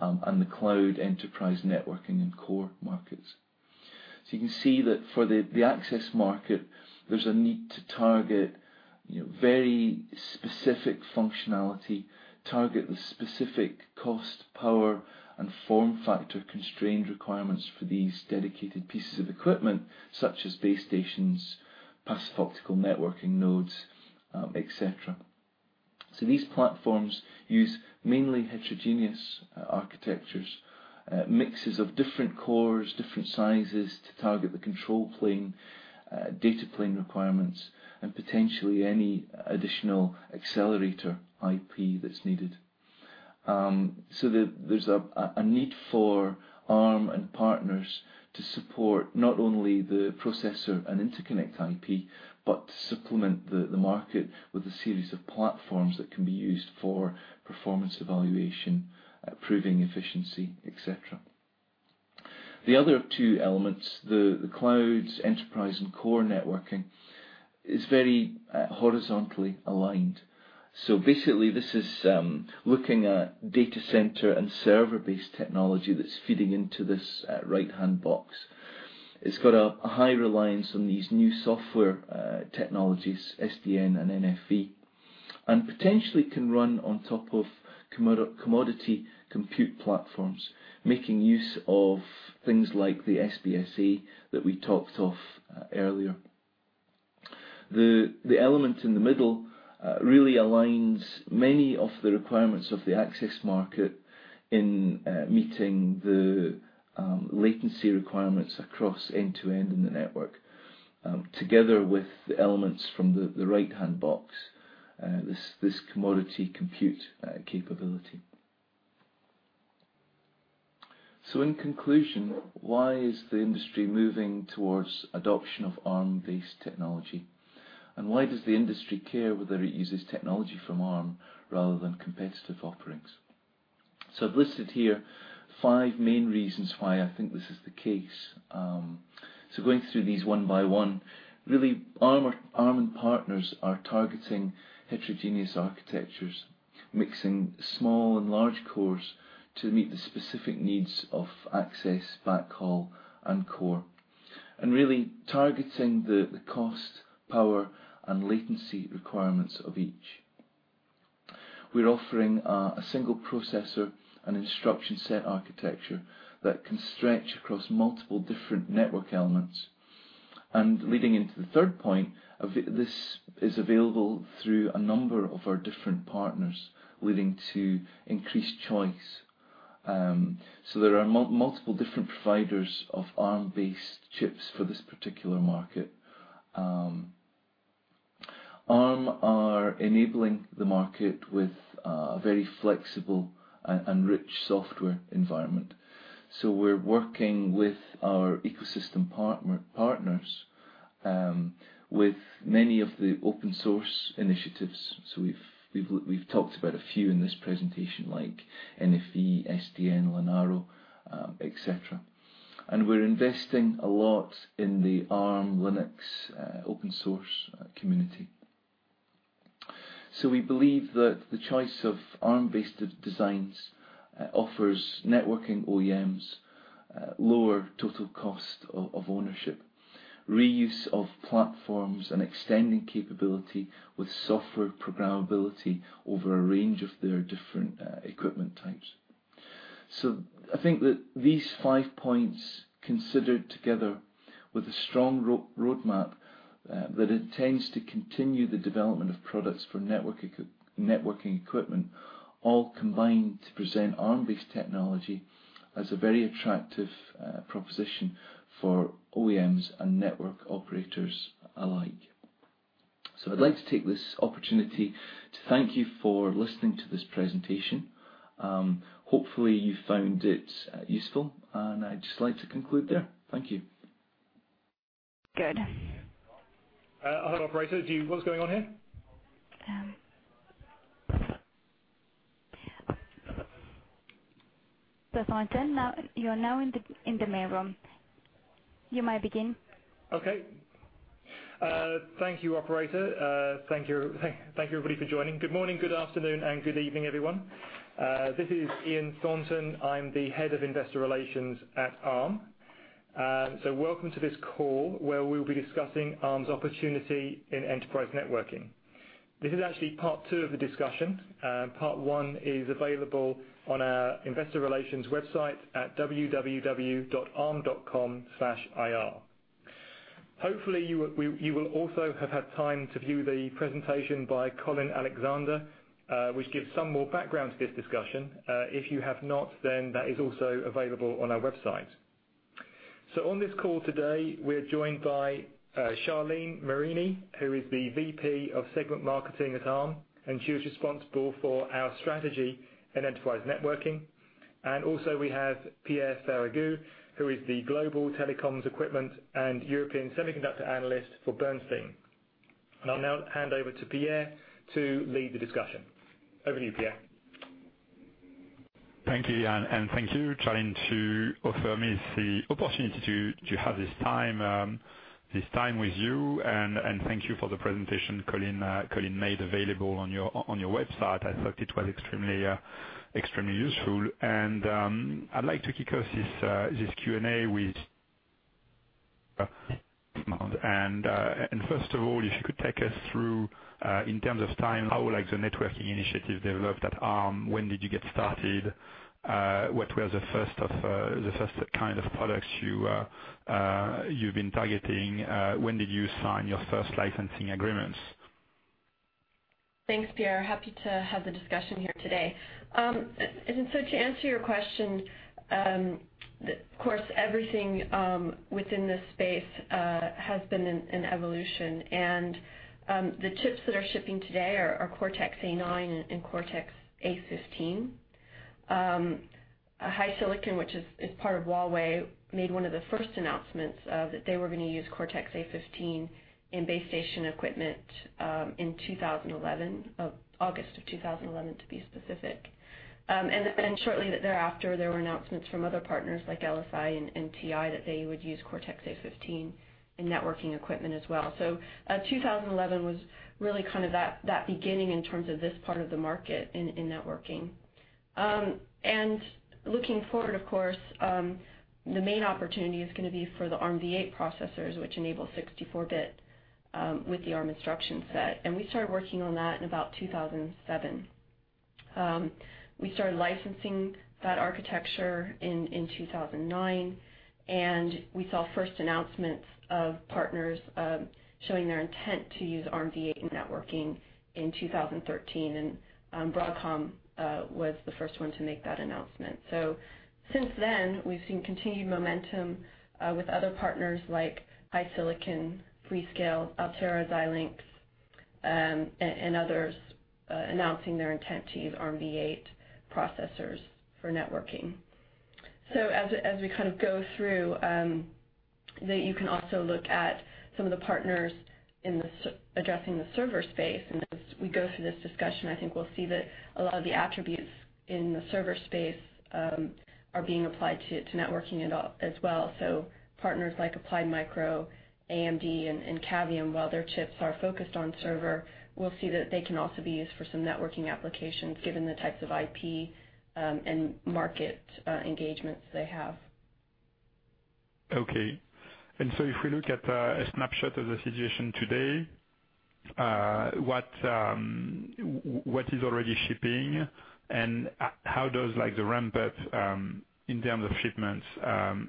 and the cloud enterprise networking and core markets. You can see that for the access market, there's a need to target very specific functionality, target the specific cost, power, and form factor constraint requirements for these dedicated pieces of equipment, such as base stations, passive optical networking nodes, et cetera. These platforms use mainly heterogeneous architectures, mixes of different cores, different sizes to target the control plane, data plane requirements, and potentially any additional accelerator IP that's needed. There's a need for Arm and partners to support not only the processor and interconnect IP, but to supplement the market with a series of platforms that can be used for performance evaluation, proving efficiency, et cetera. The other two elements, the cloud, enterprise and core networking, is very horizontally aligned. Basically, this is looking at data center and server-based technology that's feeding into this right-hand box. It's got a high reliance on these new software technologies, SDN and NFV, and potentially can run on top of commodity compute platforms, making use of things like the SBSA that we talked of earlier. The element in the middle really aligns many of the requirements of the access market in meeting the latency requirements across end-to-end in the network, together with the elements from the right-hand box, this commodity compute capability. In conclusion, why is the industry moving towards adoption of Arm-based technology? Why does the industry care whether it uses technology from Arm rather than competitive offerings? I've listed here five main reasons why I think this is the case. Going through these one by one, really Arm and partners are targeting heterogeneous architectures, mixing small and large cores to meet the specific needs of access, backhaul, and core, and really targeting the cost, power, and latency requirements of each. We're offering a single processor and instruction set architecture that can stretch across multiple different network elements. Leading into the third point, this is available through a number of our different partners, leading to increased choice. There are multiple different providers of Arm-based chips for this particular market. Arm are enabling the market with a very flexible and rich software environment. We're working with our ecosystem partners, with many of the open source initiatives. We've talked about a few in this presentation, like NFV, SDN, Linaro, et cetera. We're investing a lot in the Arm Linux open source community. We believe that the choice of Arm-based designs offers networking OEMs lower total cost of ownership, reuse of platforms, and extending capability with software programmability over a range of their different equipment types. I think that these five points considered together with a strong roadmap that intends to continue the development of products for networking equipment all combine to present Arm-based technology as a very attractive proposition for OEMs and network operators alike. I'd like to take this opportunity to thank you for listening to this presentation. Hopefully, you found it useful, and I'd just like to conclude there. Thank you. Good. Hello, operator. What's going on here? Sir Thornton, you are now in the main room. You may begin. Okay. Thank you, operator. Thank you, everybody, for joining. Good morning, good afternoon, and good evening, everyone. This is Ian Thornton. I'm the Head of Investor Relations at Arm. Welcome to this call, where we'll be discussing Arm's opportunity in enterprise networking. This is actually part 2 of the discussion. Part 1 is available on our investor relations website at www.arm.com/ir. Hopefully, you will also have had time to view the presentation by Colin Alexander, which gives some more background to this discussion. If you have not, then that is also available on our website. On this call today, we're joined by Charlene Marini, who is the VP of Segment Marketing at Arm, and she is responsible for our strategy in enterprise networking. Also we have Pierre Ferragu, who is the global telecoms equipment and European semiconductor analyst for Bernstein. I'll now hand over to Pierre to lead the discussion. Over to you, Pierre. Thank you, Ian, and thank you, Charlene, to offer me the opportunity to have this time with you, and thank you for the presentation Colin made available on your website. I thought it was extremely useful. I'd like to kick off this Q&A. First of all, if you could take us through, in terms of time, how the networking initiative developed at Arm. When did you get started? What was the first kind of products you've been targeting? When did you sign your first licensing agreements? Thanks, Pierre. Happy to have the discussion here today. To answer your question, of course, everything within this space has been an evolution, and the chips that are shipping today are Cortex-A9 and Cortex-A15. HiSilicon, which is part of Huawei, made one of the first announcements that they were going to use Cortex-A15 in base station equipment in 2011, August of 2011, to be specific. Shortly thereafter, there were announcements from other partners like LSI and TI that they would use Cortex-A15 in networking equipment as well. 2011 was really that beginning in terms of this part of the market in networking. Looking forward, of course, the main opportunity is going to be for the Armv8 processors, which enable 64-bit with the Arm instruction set. We started working on that in about 2007. We started licensing that architecture in 2009, we saw first announcements of partners showing their intent to use Armv8 in networking in 2013, and Broadcom was the first one to make that announcement. Since then, we've seen continued momentum with other partners like HiSilicon, Freescale, Altera, Xilinx, and others announcing their intent to use Armv8 processors for networking. As we go through, you can also look at some of the partners in addressing the server space. As we go through this discussion, I think we'll see that a lot of the attributes in the server space are being applied to networking as well. Partners like Applied Micro, AMD, and Cavium, while their chips are focused on server, we'll see that they can also be used for some networking applications given the types of IP and market engagements they have. Okay. If we look at a snapshot of the situation today, what is already shipping and how does the ramp-up, in terms of shipments,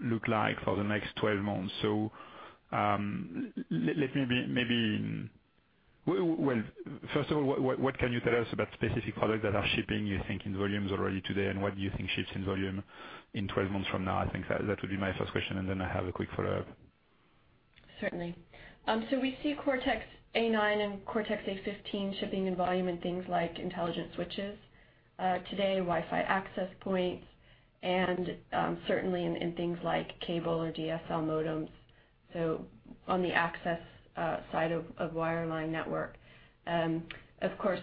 look like for the next 12 months? Well, first of all, what can you tell us about specific products that are shipping, you think, in volumes already today, and what do you think ships in volume in 12 months from now? I think that would be my first question, and then I have a quick follow-up. Certainly. We see Cortex-A9 and Cortex-A15 shipping in volume in things like intelligent switches today, Wi-Fi access points, and certainly in things like cable or DSL modems, so on the access side of wireline network. Of course,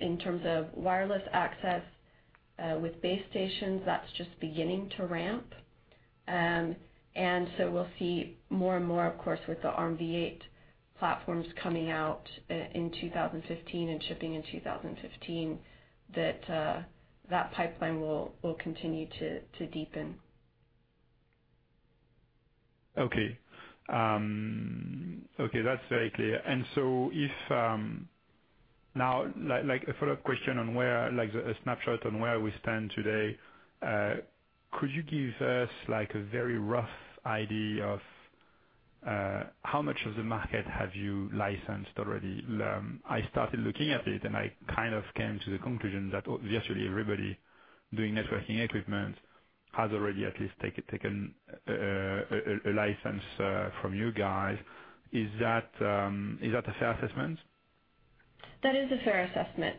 in terms of wireless access with base stations, that's just beginning to ramp. We'll see more and more, of course, with the Armv8 platforms coming out in 2015 and shipping in 2015, that that pipeline will continue to deepen. Okay. That's very clear. If now, a follow-up question on where, like a snapshot on where we stand today, could you give us a very rough idea of how much of the market have you licensed already? I started looking at it, and I kind of came to the conclusion that virtually everybody doing networking equipment has already at least taken a license from you guys. Is that a fair assessment? That is a fair assessment.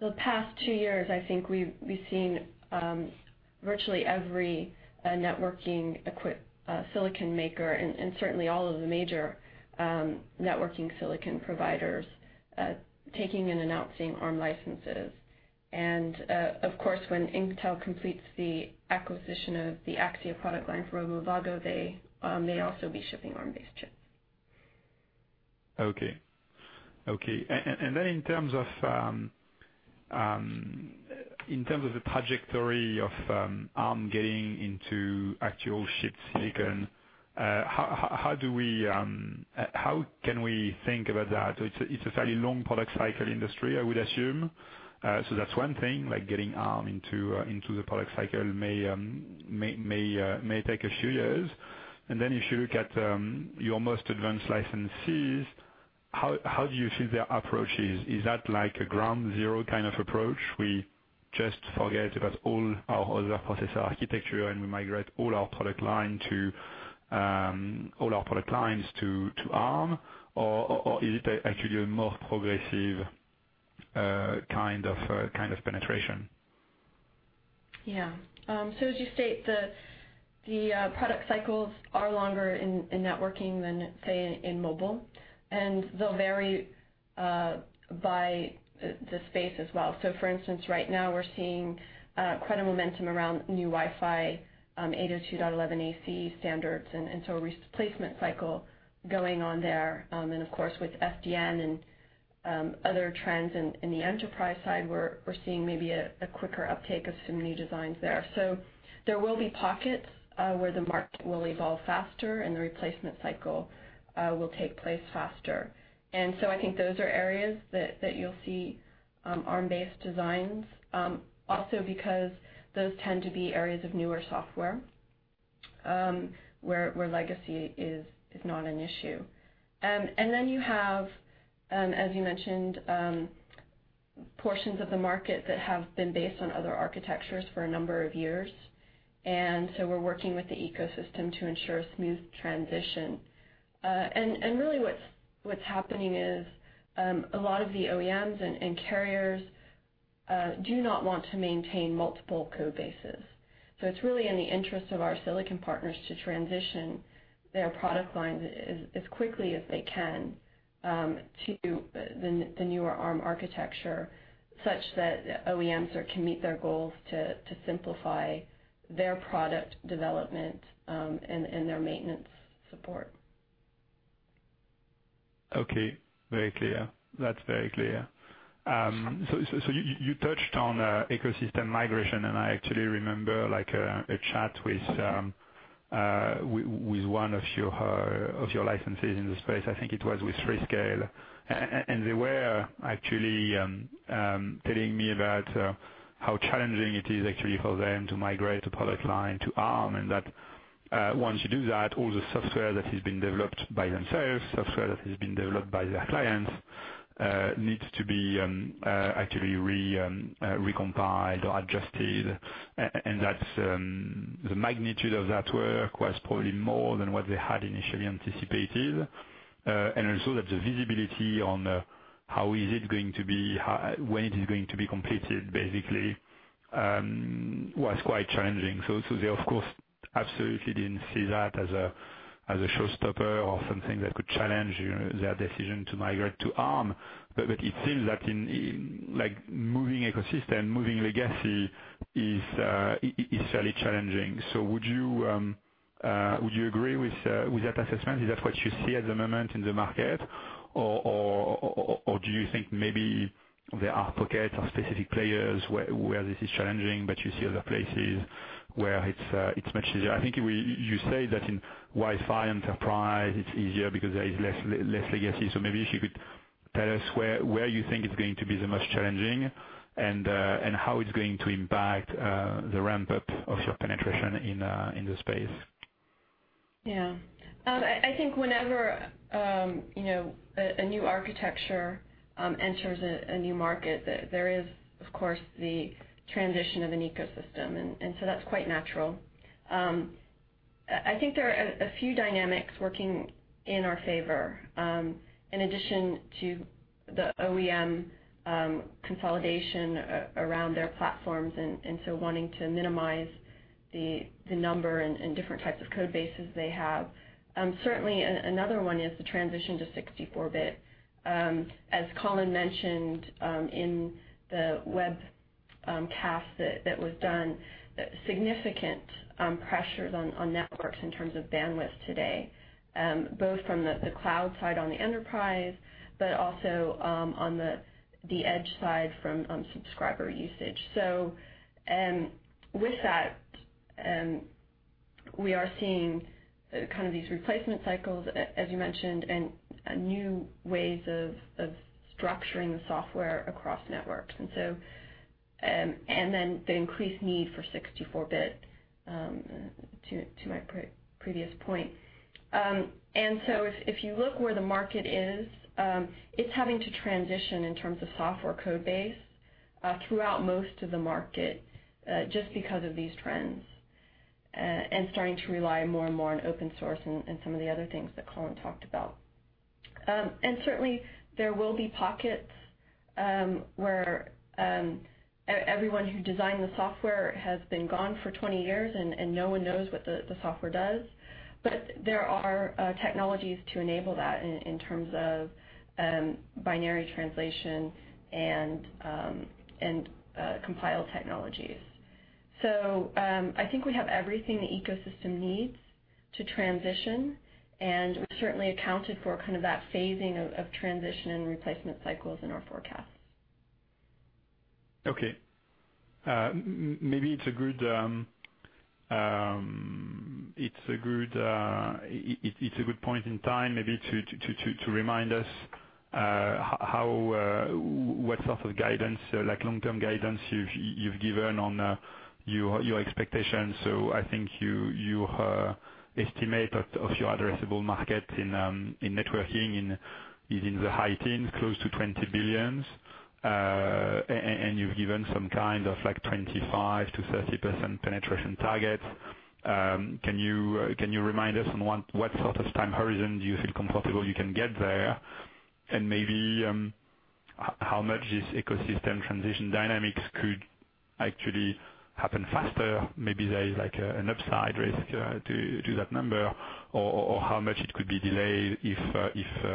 The past two years, I think we've seen virtually every networking equip silicon maker, and certainly all of the major networking silicon providers, taking and announcing Arm licenses. Of course, when Intel completes the acquisition of the Axxia product line from Avago, they also will be shipping Arm-based chips. Okay. In terms of the trajectory of Arm getting into actual shipped silicon, how can we think about that? It's a fairly long product cycle industry, I would assume. That's one thing, like getting Arm into the product cycle may take a few years. If you look at your most advanced licensees, how do you see their approaches? Is that like a ground zero kind of approach? We just forget about all our other processor architecture, and we migrate all our product lines to Arm, or is it actually a more progressive kind of penetration? Yeah. As you state, the product cycles are longer in networking than, say, in mobile. They'll vary by the space as well. For instance, right now we're seeing incredible momentum around new Wi-Fi 802.11ac standards, a replacement cycle going on there. Of course, with SDN and other trends in the enterprise side, we're seeing maybe a quicker uptake of some new designs there. There will be pockets where the market will evolve faster and the replacement cycle will take place faster. I think those are areas that you'll see Arm-based designs. Also because those tend to be areas of newer software, where legacy is not an issue. You have, as you mentioned, portions of the market that have been based on other architectures for a number of years. We're working with the ecosystem to ensure a smooth transition. Really what's happening is a lot of the OEMs and carriers do not want to maintain multiple code bases. It's really in the interest of our silicon partners to transition their product lines as quickly as they can to the newer Arm architecture, such that OEMs can meet their goals to simplify their product development and their maintenance support. Okay. Very clear. That's very clear. You touched on ecosystem migration, I actually remember a chat with one of your licenses in the space. I think it was with Freescale. They were actually telling me about how challenging it is actually for them to migrate a product line to Arm, that once you do that, all the software that has been developed by themselves, software that has been developed by their clients, needs to be actually recompiled or adjusted. That the magnitude of that work was probably more than what they had initially anticipated. Also that the visibility on how is it going to be, when it is going to be completed, basically, was quite challenging. They, of course, absolutely didn't see that as a showstopper or something that could challenge their decision to migrate to Arm, but it seems that in moving ecosystem, moving legacy is fairly challenging. Would you agree with that assessment? Is that what you see at the moment in the market? Or do you think maybe there are pockets of specific players where this is challenging, but you see other places where it's much easier? I think you say that in Wi-Fi, enterprise, it's easier because there is less legacy. Maybe if you could tell us where you think it's going to be the most challenging and how it's going to impact the ramp-up of your penetration in the space. Yeah. I think whenever a new architecture enters a new market, there is, of course, the transition of an ecosystem, that's quite natural. I think there are a few dynamics working in our favor, in addition to the OEM consolidation around their platforms wanting to minimize the number and different types of code bases they have. Certainly, another one is the transition to 64-bit. As Colin mentioned in the webcast that was done, significant pressures on networks in terms of bandwidth today, both from the cloud side on the enterprise, but also on the edge side from subscriber usage. With that, we are seeing these replacement cycles, as you mentioned, and new ways of structuring the software across networks. The increased need for 64-bit, to my previous point. If you look where the market is, it's having to transition in terms of software code base throughout most of the market, just because of these trends. Starting to rely more and more on open source and some of the other things that Colin talked about. Certainly, there will be pockets where everyone who designed the software has been gone for 20 years, and no one knows what the software does. There are technologies to enable that in terms of binary translation and compile technologies. I think we have everything the ecosystem needs to transition, and we certainly accounted for that phasing of transition and replacement cycles in our forecasts. Okay. Maybe it's a good point in time maybe to remind us what sort of long-term guidance you've given on your expectations. I think your estimate of your addressable market in networking is in the high teens, close to $20 billion, and you've given some kind of 25%-30% penetration targets. Can you remind us on what sort of time horizon do you feel comfortable you can get there? Maybe how much this ecosystem transition dynamics could actually happen faster? There is an upside risk to that number, or how much it could be delayed if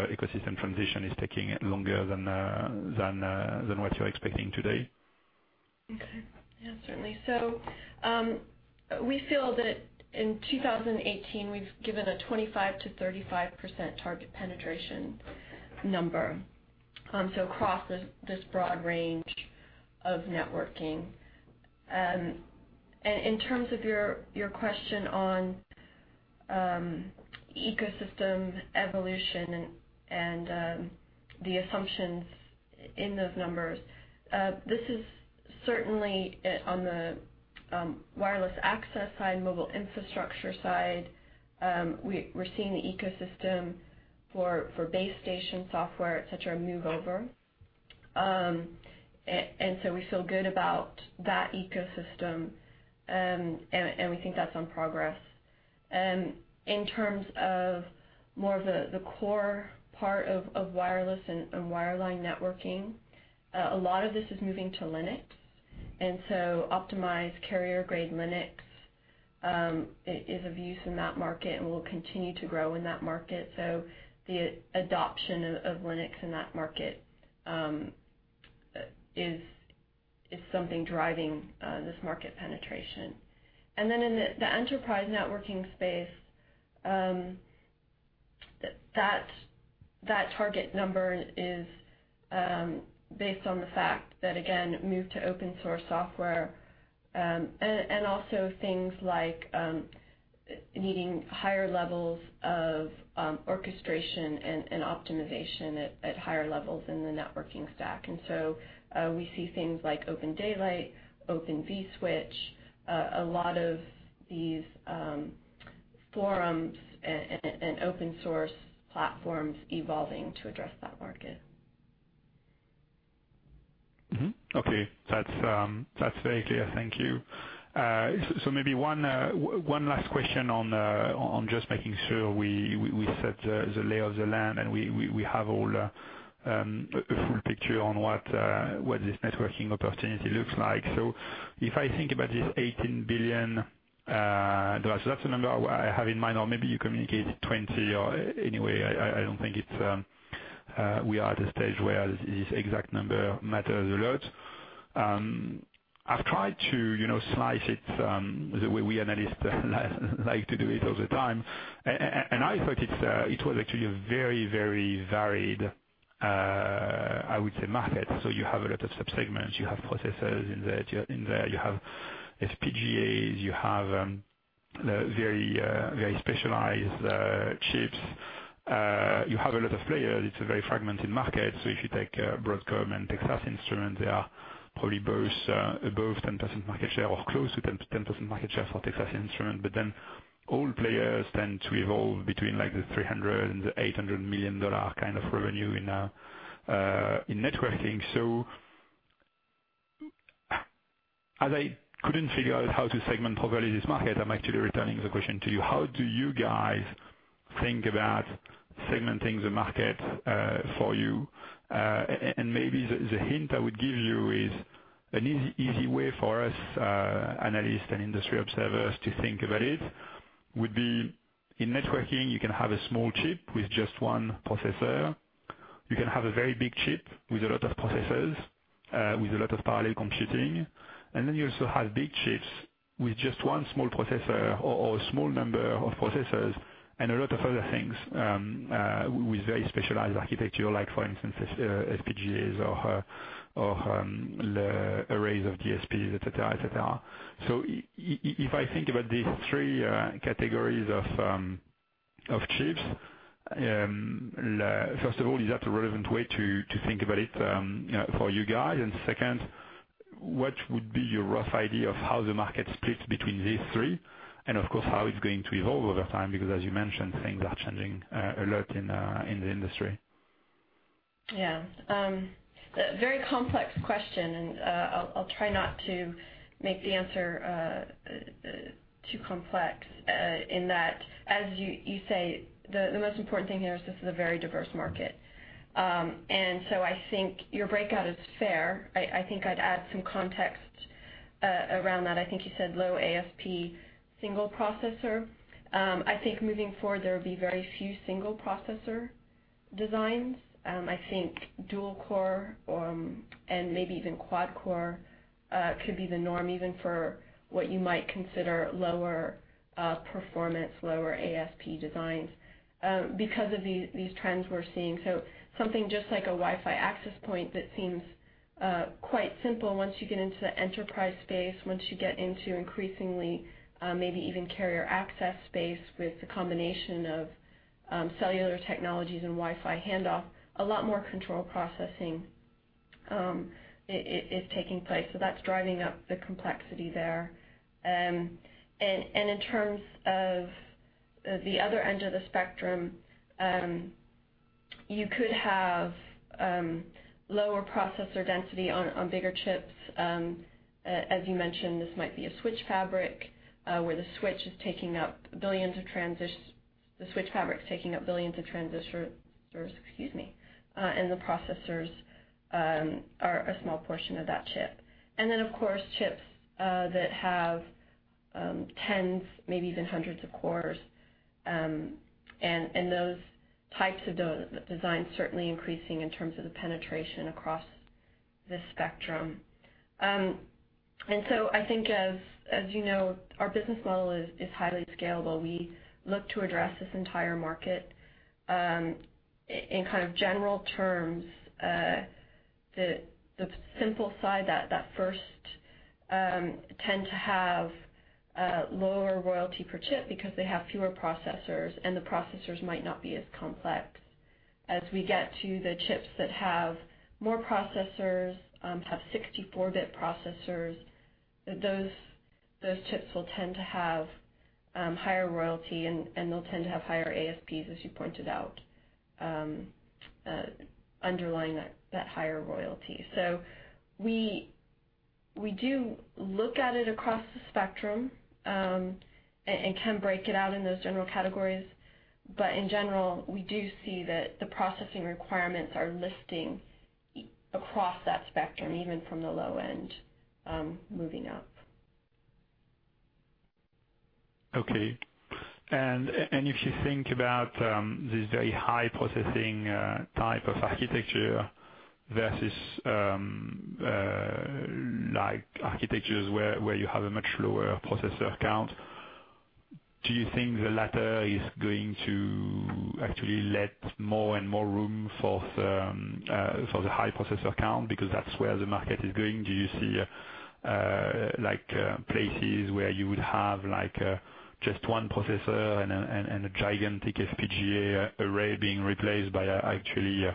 ecosystem transition is taking longer than what you're expecting today. Okay. Yeah, certainly. We feel that in 2018, we've given a 25%-35% target penetration number across this broad range of networking. In terms of your question on ecosystem evolution and the assumptions in those numbers. This is certainly on the wireless access side, mobile infrastructure side. We're seeing the ecosystem for base station software, et cetera, move over. We feel good about that ecosystem, and we think that's on progress. In terms of more of the core part of wireless and wireline networking, a lot of this is moving to Linux. Optimized carrier-grade Linux is of use in that market and will continue to grow in that market. The adoption of Linux in that market is something driving this market penetration. In the enterprise networking space, that target number is based on the fact that, again, move to open source software, and also things like needing higher levels of orchestration and optimization at higher levels in the networking stack. We see things like OpenDaylight, Open vSwitch, a lot of these forums and open source platforms evolving to address that market. Mm-hmm. Okay. That's very clear. Thank you. Maybe one last question on just making sure we set the lay of the land and we have all a full picture on what this networking opportunity looks like. If I think about this $18 billion, that's the number I have in mind, or maybe you communicated 20 or anyway, I don't think we are at a stage where this exact number matters a lot. I've tried to slice it the way we analysts like to do it all the time, and I thought it was actually a very varied, I would say, market. You have a lot of sub-segments, you have processors in there, you have FPGAs, you have very specialized chips. You have a lot of players. It's a very fragmented market. If you take Broadcom and Texas Instruments, they are probably both above 10% market share or close to 10% market share for Texas Instruments. All players tend to evolve between the $300 million and $800 million kind of revenue in networking. As I couldn't figure out how to segment properly this market, I'm actually returning the question to you. How do you guys think about segmenting the market for you? Maybe the hint I would give you is an easy way for us analysts and industry observers to think about it, would be in networking, you can have a small chip with just one processor. You can have a very big chip with a lot of processors, with a lot of parallel computing. you also have big chips with just one small processor or a small number of processors and a lot of other things with very specialized architecture like for instance, FPGAs or arrays of DSPs, et cetera. If I think about these three categories of chips, first of all, is that a relevant way to think about it for you guys? Second, what would be your rough idea of how the market splits between these three? Of course, how it's going to evolve over time, because as you mentioned, things are changing a lot in the industry. Very complex question, I'll try not to make the answer too complex, in that, as you say, the most important thing here is this is a very diverse market. I think your breakout is fair. I think I'd add some context around that. I think you said low ASP single processor. I think moving forward, there will be very few single processor designs. I think dual core and maybe even quad core could be the norm, even for what you might consider lower performance, lower ASP designs because of these trends we're seeing. Something just like a Wi-Fi access point that seems quite simple once you get into the enterprise space, once you get into increasingly maybe even carrier access space with the combination of cellular technologies and Wi-Fi handoff, a lot more control processing is taking place. That's driving up the complexity there. In terms of the other end of the spectrum, you could have lower processor density on bigger chips. As you mentioned, this might be a switch fabric, where the switch fabric is taking up billions of transistors, excuse me, the processors are a small portion of that chip. Of course, chips that have tens, maybe even hundreds of cores, and those types of designs certainly increasing in terms of the penetration across the spectrum. I think, as you know, our business model is highly scalable. We look to address this entire market, in general terms. The simple side, that first tend to have lower royalty per chip because they have fewer processors, and the processors might not be as complex. As we get to the chips that have more processors, have 64-bit processors, those chips will tend to have higher royalty, they'll tend to have higher ASPs, as you pointed out, underlying that higher royalty. We do look at it across the spectrum, can break it out in those general categories. In general, we do see that the processing requirements are lifting across that spectrum, even from the low end, moving up. Okay. If you think about this very high processing type of architecture versus architectures where you have a much lower processor count, do you think the latter is going to actually let more and more room for the high processor count because that's where the market is going? Do you see places where you would have just one processor and a gigantic FPGA array being replaced by actually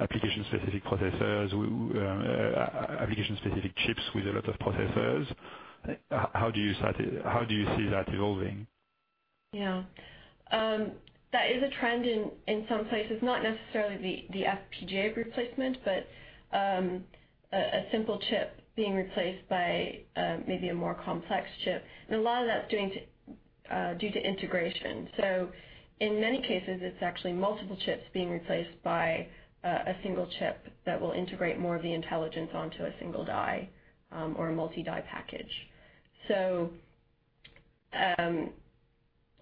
application-specific processors, application-specific chips with a lot of processors? How do you see that evolving? Yeah. That is a trend in some places, not necessarily the FPGA replacement, but a simple chip being replaced by maybe a more complex chip, and a lot of that's due to integration. In many cases, it's actually multiple chips being replaced by a single chip that will integrate more of the intelligence onto a single die or a multi-die package.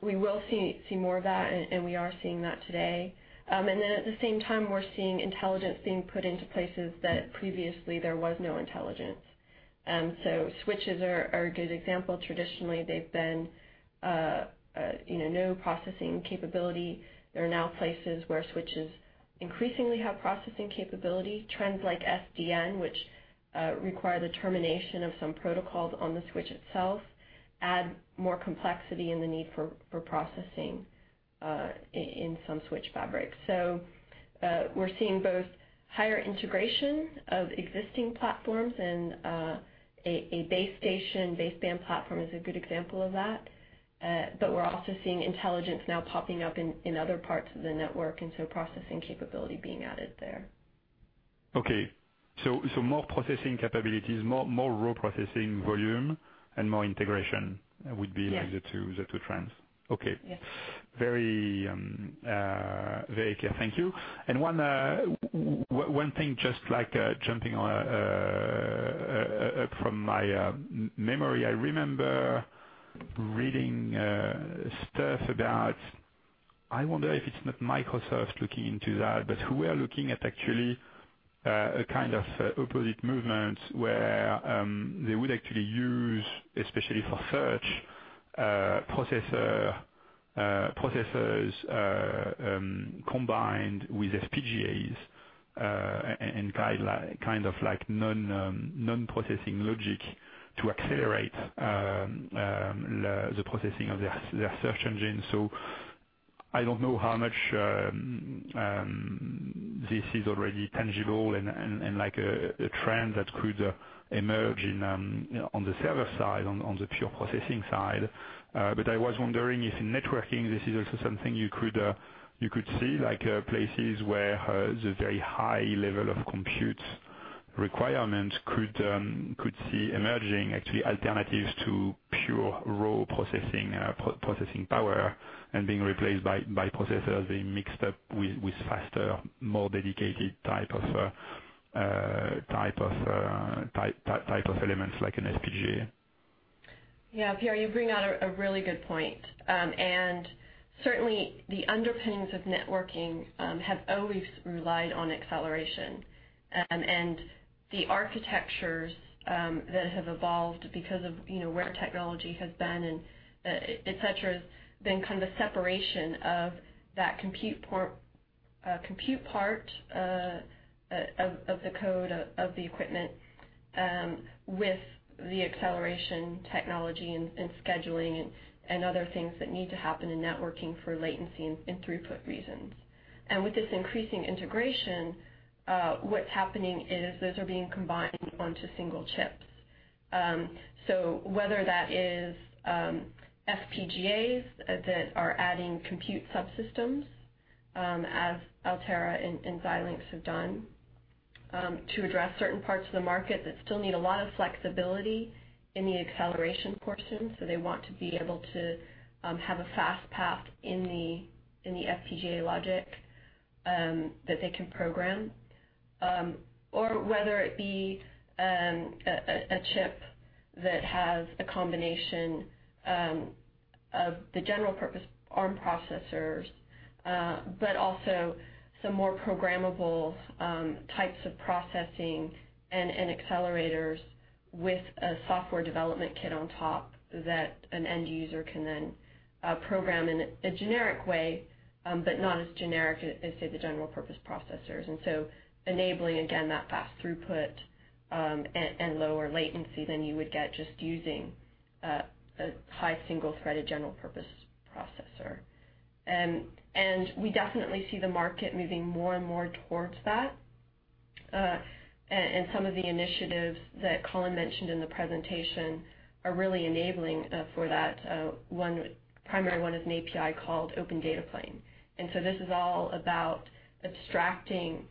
We will see more of that, and we are seeing that today. At the same time, we're seeing intelligence being put into places that previously there was no intelligence. Switches are a good example. Traditionally, they've been no processing capability. There are now places where switches increasingly have processing capability. Trends like SDN, which require the termination of some protocols on the switch itself, add more complexity in the need for processing in some switch fabrics. We're seeing both higher integration of existing platforms and a base station, base band platform is a good example of that, but we're also seeing intelligence now popping up in other parts of the network, processing capability being added there. Okay. More processing capabilities, more raw processing volume, and more integration would be- Yeah the two trends. Okay. Yes. Very clear. Thank you. One thing, just jumping from my memory, I remember reading stuff about, I wonder if it's not Microsoft looking into that, but who are looking at actually a kind of opposite movement where they would actually use, especially for search, processors combined with FPGAs, and kind of like non-processing logic to accelerate the processing of their search engine. I don't know how much this is already tangible and like a trend that could emerge on the server side, on the pure processing side. I was wondering if in networking, this is also something you could see, like places where there's a very high level of compute requirements could see emerging actually alternatives to pure raw processing power and being replaced by processors being mixed up with faster, more dedicated type of elements like an FPGA. Yeah, Pierre, you bring out a really good point. Certainly, the underpinnings of networking have always relied on acceleration. The architectures that have evolved because of where technology has been and et cetera, have been kind of separation of that compute part of the code of the equipment with the acceleration technology and scheduling and other things that need to happen in networking for latency and throughput reasons. With this increasing integration, what's happening is those are being combined onto single chips. Whether that is FPGAs that are adding compute subsystems, as Altera and Xilinx have done, to address certain parts of the market that still need a lot of flexibility in the acceleration portion, so they want to be able to have a fast path in the FPGA logic that they can program, or whether it be a chip that has a combination of the general-purpose Arm processors, but also some more programmable types of processing and accelerators with a software development kit on top that an end user can then program in a generic way, but not as generic as, say, the general purpose processors. Enabling, again, that fast throughput, and lower latency than you would get just using a high single-threaded general purpose processor. We definitely see the market moving more and more towards that. Some of the initiatives that Colin mentioned in the presentation are really enabling for that. One primary one is an API called OpenDataPlane. This is all about abstracting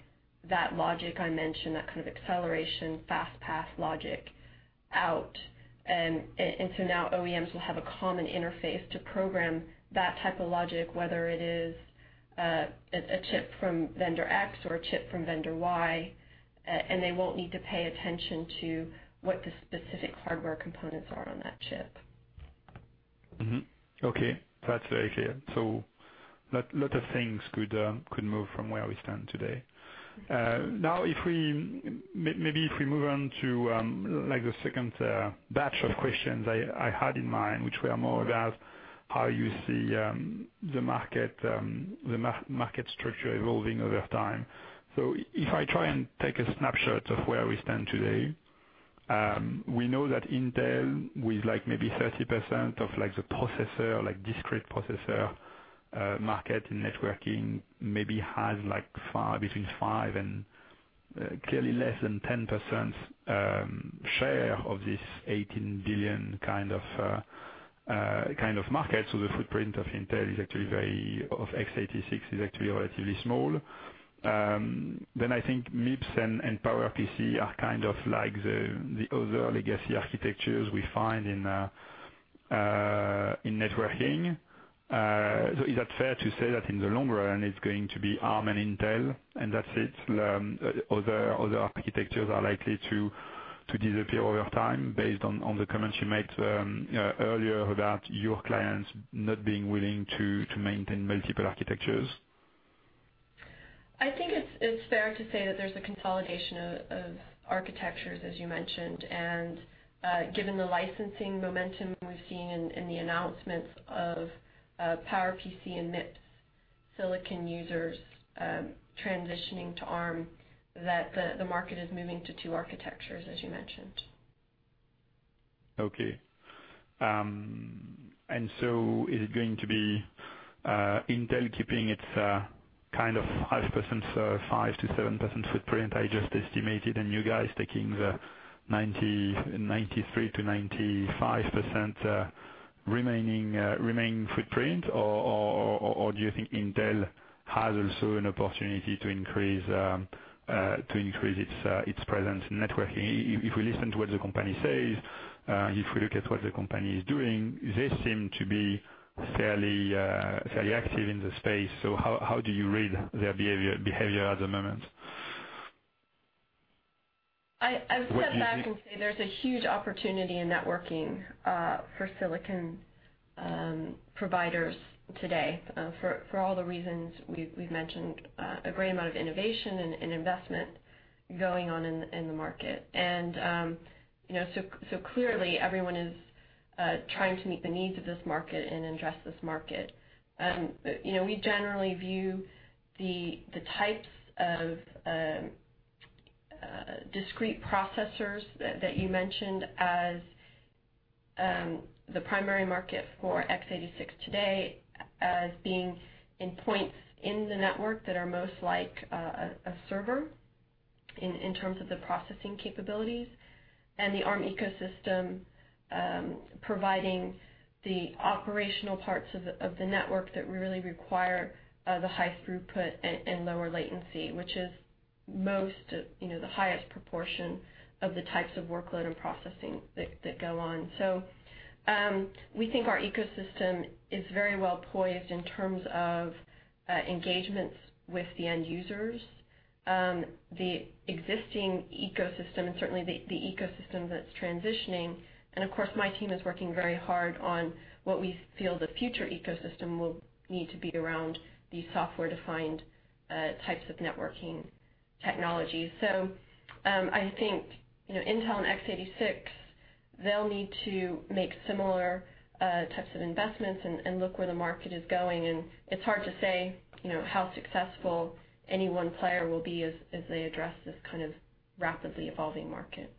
that logic I mentioned, that kind of acceleration, fast path logic out. Now OEMs will have a common interface to program that type of logic, whether it is a chip from vendor X or a chip from vendor Y, and they won't need to pay attention to what the specific hardware components are on that chip. Okay, that's very clear. A lot of things could move from where we stand today. Maybe if we move on to the second batch of questions I had in mind, which were more about how you see the market structure evolving over time. If I try and take a snapshot of where we stand today, we know that Intel, with maybe 30% of the processor, like discrete processor market in networking, maybe has between 5% and clearly less than 10% share of this $18 billion kind of market. The footprint of Intel is actually very, of x86, is actually relatively small. Then I think MIPS and PowerPC are kind of like the other legacy architectures we find in networking. Is that fair to say that in the long run, it's going to be Arm and Intel and that's it? Other architectures are likely to disappear over time based on the comments you made earlier about your clients not being willing to maintain multiple architectures? I think it's fair to say that there's a consolidation of architectures, as you mentioned, and given the licensing momentum we've seen in the announcements of PowerPC and MIPS silicon users transitioning to Arm, that the market is moving to two architectures, as you mentioned. Okay. Is it going to be Intel keeping its kind of 5%-7% footprint I just estimated, and you guys taking the 93%-95% remaining footprint, or do you think Intel has also an opportunity to increase its presence in networking? If we listen to what the company says, if we look at what the company is doing, they seem to be fairly active in the space. How do you read their behavior at the moment? I would step back and say there's a huge opportunity in networking for silicon providers today, for all the reasons we've mentioned, a great amount of innovation and investment going on in the market. Clearly everyone is trying to meet the needs of this market and address this market. We generally view the types of discrete processors that you mentioned as the primary market for x86 today as being in points in the network that are most like a server in terms of the processing capabilities. The Arm ecosystem providing the operational parts of the network that really require the high throughput and lower latency, which is the highest proportion of the types of workload and processing that go on. We think our ecosystem is very well poised in terms of engagements with the end users, the existing ecosystem, and certainly the ecosystem that's transitioning. Of course, my team is working very hard on what we feel the future ecosystem will need to be around the software-defined types of networking technologies. I think Intel and x86, they'll need to make similar types of investments and look where the market is going. It's hard to say how successful any one player will be as they address this kind of rapidly evolving market.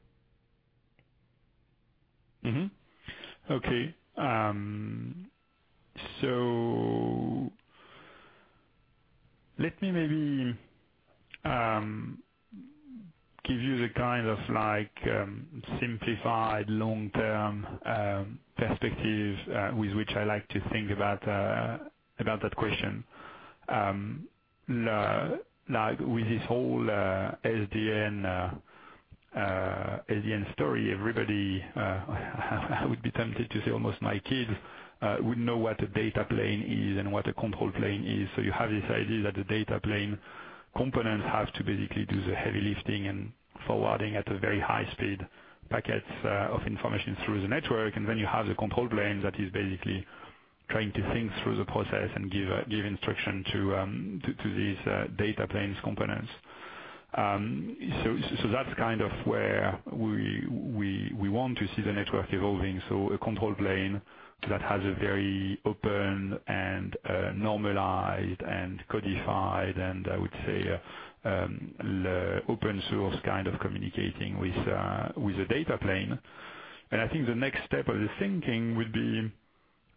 Okay. Let me maybe give you the simplified long-term perspective with which I like to think about that question. With this whole SDN story, everybody, I would be tempted to say almost my kids, would know what a data plane is and what a control plane is. You have this idea that the data plane components have to basically do the heavy lifting and forwarding at a very high speed packets of information through the network. Then you have the control plane that is basically trying to think through the process and give instruction to these data planes components. That's where we want to see the network evolving. A control plane that has a very open and normalized and codified and, I would say, open source kind of communicating with the data plane. I think the next step of the thinking would be,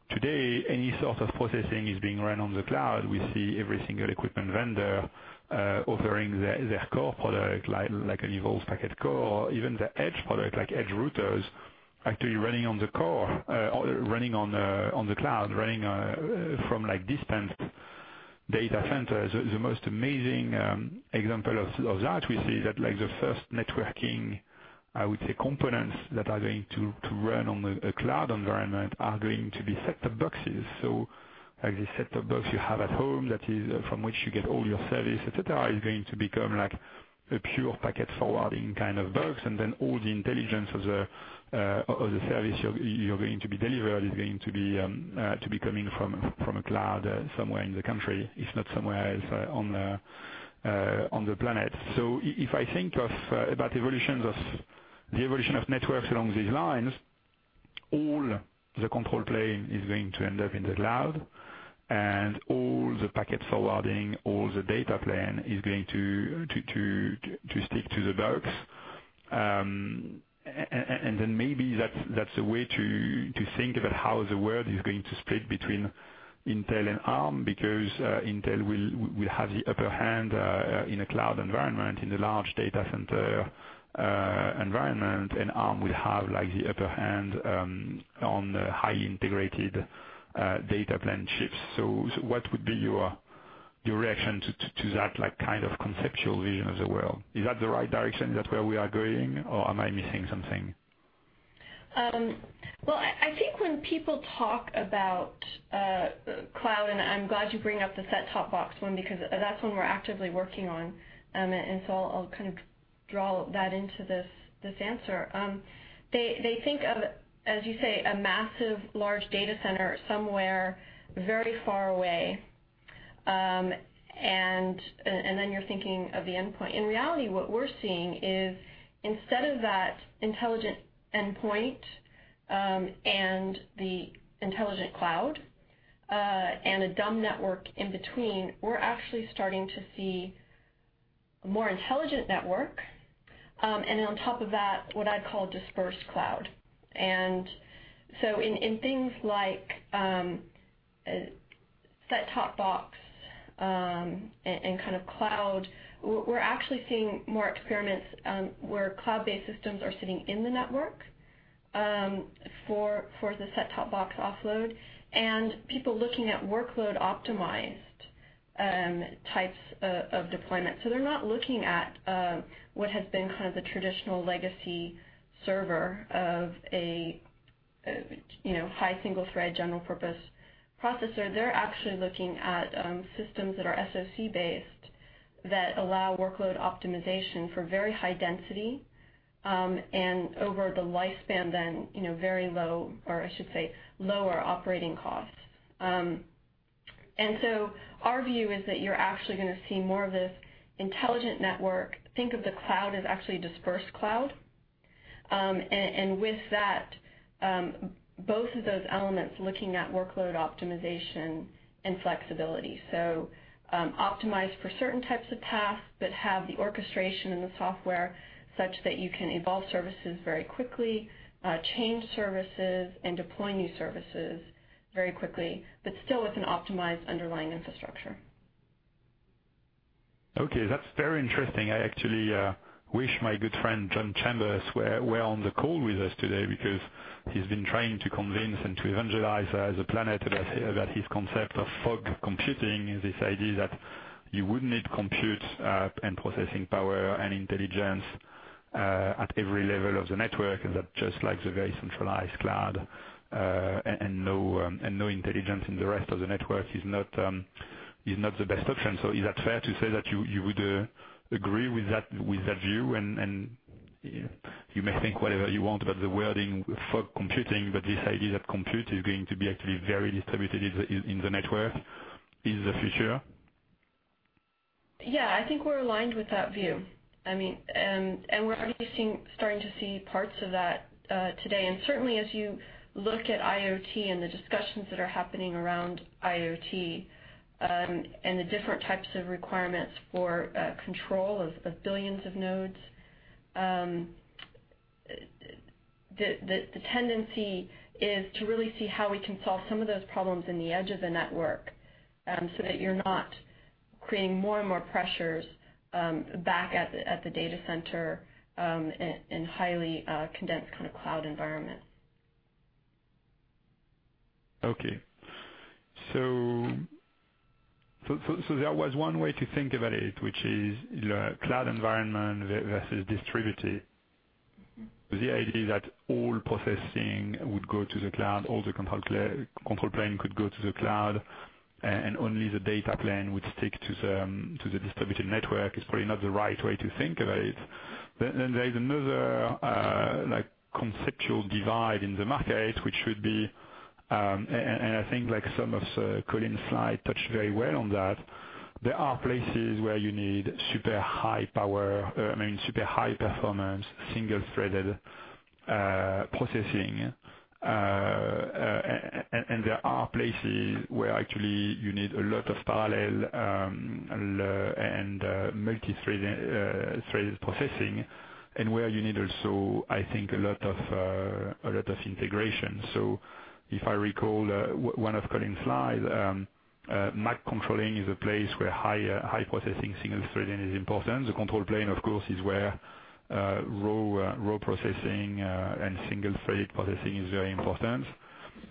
today, any sort of processing is being run on the cloud. We see every single equipment vendor offering their core product, like an evolved packet core. Even the edge product, like edge routers, actually running on the cloud, running from distant data centers. The most amazing example of that we see is that the first networking, I would say, components that are going to run on a cloud environment are going to be set-top boxes. Like the set-top box you have at home, from which you get all your service, et cetera, is going to become like a pure packet forwarding kind of box. Then all the intelligence of the service you're going to be delivered is going to be coming from a cloud somewhere in the country, if not somewhere else on the planet. If I think about the evolution of networks along these lines, all the control plane is going to end up in the cloud, and all the packet forwarding, all the data plane, is going to stick to the box. Then maybe that's a way to think about how the world is going to split between Intel and Arm, because Intel will have the upper hand in a cloud environment, in the large data center environment, and Arm will have the upper hand on the high integrated data plane chips. What would be your reaction to that kind of conceptual vision of the world? Is that the right direction? Is that where we are going, or am I missing something? Well, I think when people talk about cloud, and I'm glad you bring up the set-top box one because that's one we're actively working on. I'll kind of draw that into this answer. They think of, as you say, a massive large data center somewhere very far away, and then you're thinking of the endpoint. In reality, what we're seeing is instead of that intelligent endpoint and the intelligent cloud, and a dumb network in between, we're actually starting to see a more intelligent network. Then on top of that, what I'd call dispersed cloud. In things like set-top box and cloud, we're actually seeing more experiments where cloud-based systems are sitting in the network, for the set-top box offload. People looking at workload-optimized types of deployment. They're not looking at what has been kind of the traditional legacy server of a high single-thread general purpose processor. They're actually looking at systems that are SoC based that allow workload optimization for very high density, and over the lifespan then, very low, or I should say, lower operating costs. Our view is that you're actually going to see more of this intelligent network. Think of the cloud as actually dispersed cloud. With that, both of those elements looking at workload optimization and flexibility. Optimized for certain types of tasks that have the orchestration and the software such that you can evolve services very quickly, change services, and deploy new services very quickly, but still with an optimized underlying infrastructure. That's very interesting. I actually wish my good friend John Chambers were on the call with us today, because he's been trying to convince and to evangelize the planet about his concept of fog computing, this idea that you would need compute and processing power and intelligence at every level of the network, and that just like the very centralized cloud, and no intelligence in the rest of the network is not the best option. Is that fair to say that you would agree with that view? You may think whatever you want about the wording fog computing, but this idea that compute is going to be actually very distributed in the network is the future. I think we're aligned with that view. We're obviously starting to see parts of that today. Certainly as you look at IoT and the discussions that are happening around IoT, and the different types of requirements for control of billions of nodes, the tendency is to really see how we can solve some of those problems in the edge of the network, so that you're not creating more and more pressures back at the data center, in highly condensed cloud environment. There was one way to think about it, which is cloud environment versus distributed. The idea that all processing would go to the cloud, all the control plane could go to the cloud, and only the data plane would stick to the distributed network is probably not the right way to think about it. There is another conceptual divide in the market, and I think some of Colin's slides touched very well on that. There are places where you need super high power, super high performance, single-threaded processing. There are places where actually you need a lot of parallel and multithread processing and where you need also, I think, a lot of integration. If I recall, one of Colin's slides, MAC scheduling is a place where high processing, single threading is important. The control plane, of course, is where raw processing and single-threaded processing is very important.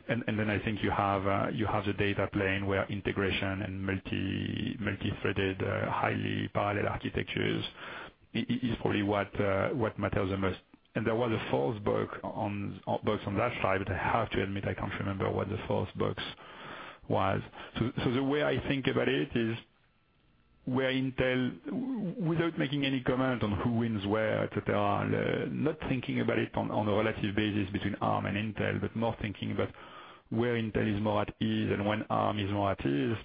Then I think you have the data plane where integration and multithreaded, highly parallel architectures is probably what matters the most. There was a fourth box on that slide, but I have to admit, I can't remember what the fourth box was. The way I think about it is, without making any comment on who wins where, et cetera, not thinking about it on a relative basis between Arm and Intel, but more thinking about where Intel is more at ease and when Arm is more at ease.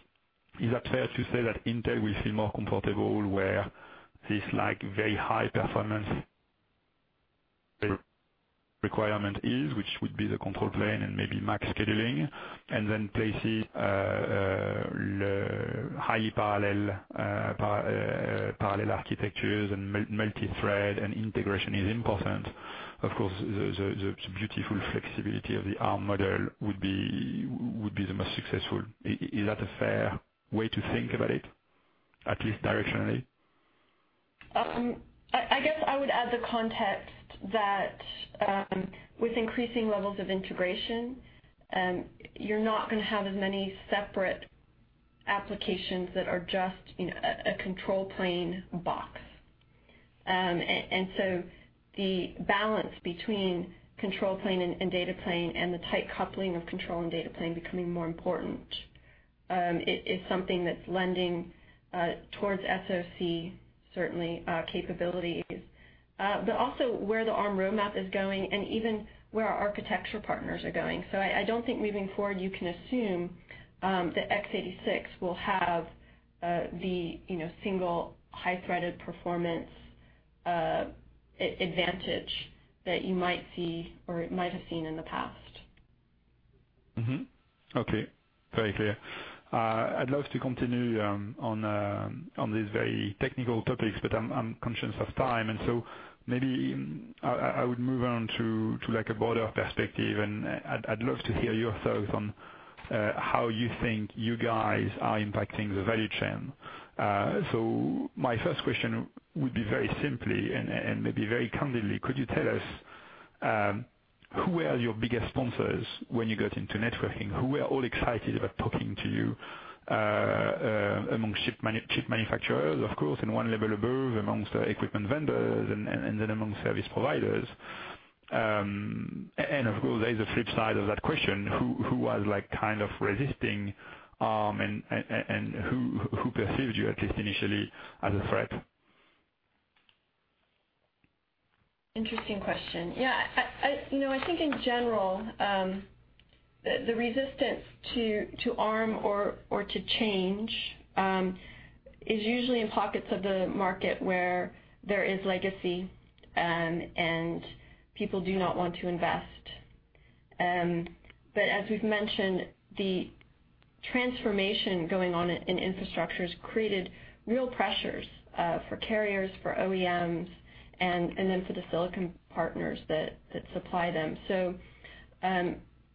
Is that fair to say that Intel will feel more comfortable where this very high performance requirement is, which would be the control plane and maybe MAC scheduling, and then places highly parallel architectures and multithread and integration is important. Of course, the beautiful flexibility of the Arm model would be the most successful. Is that a fair way to think about it, at least directionally? I guess I would add the context that with increasing levels of integration, you're not going to have as many separate applications that are just a control plane box. The balance between control plane and data plane and the tight coupling of control and data plane becoming more important, is something that's lending towards SoC, certainly, capabilities. Where the Arm roadmap is going and even where our architecture partners are going. I don't think moving forward, you can assume that x86 will have the single high-threaded performance advantage that you might see or might have seen in the past. Okay. Very clear. I'd love to continue on these very technical topics, but I'm conscious of time. Maybe I would move on to a broader perspective, and I'd love to hear your thoughts on how you think you guys are impacting the value chain. My first question would be very simply and maybe very candidly, could you tell us who were your biggest sponsors when you got into networking? Who were all excited about talking to you amongst chip manufacturers, of course, and one level above amongst equipment vendors and then among service providers? Of course, there's a flip side of that question. Who was kind of resisting, and who perceived you, at least initially, as a threat? Interesting question. I think in general, the resistance to Arm or to change, is usually in pockets of the market where there is legacy, and people do not want to invest. As we've mentioned, the transformation going on in infrastructures created real pressures, for carriers, for OEMs and then for the silicon partners that supply them.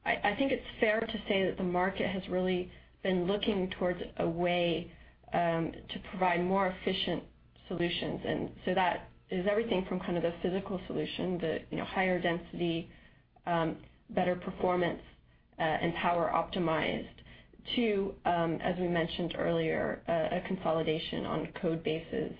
I think it's fair to say that the market has really been looking towards a way to provide more efficient solutions. That is everything from the physical solution, the higher density, better performance, and power optimized to, as we mentioned earlier, a consolidation on code bases,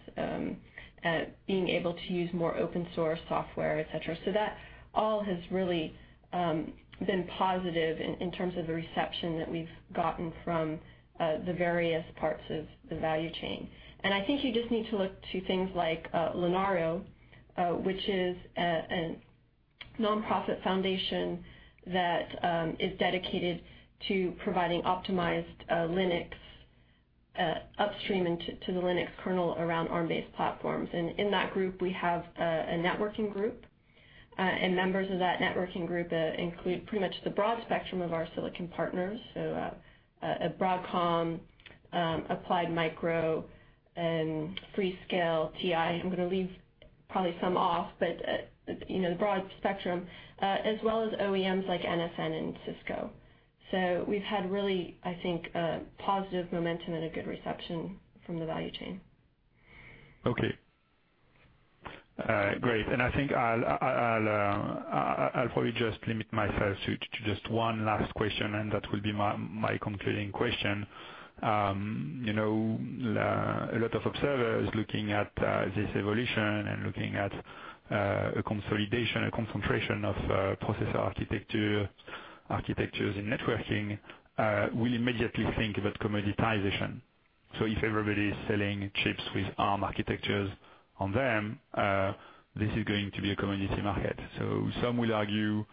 being able to use more open source software, et cetera. That all has really been positive in terms of the reception that we've gotten from the various parts of the value chain. I think you just need to look to things like Linaro, which is a nonprofit foundation that is dedicated to providing optimized Linux upstream to the Linux kernel around Arm-based platforms. In that group, we have a networking group, and members of that networking group include pretty much the broad spectrum of our silicon partners. Broadcom, Applied Micro, and Freescale, TI. I'm going to leave probably some off, but the broad spectrum, as well as OEMs like NSN and Cisco. We've had really, I think, positive momentum and a good reception from the value chain. Okay. Great. I think I'll probably just limit myself to just one last question, and that will be my concluding question. A lot of observers looking at this evolution and looking at a consolidation, a concentration of processor architectures in networking will immediately think about commoditization. If everybody's selling chips with Arm architectures on them, this is going to be a commodity market. Some will argue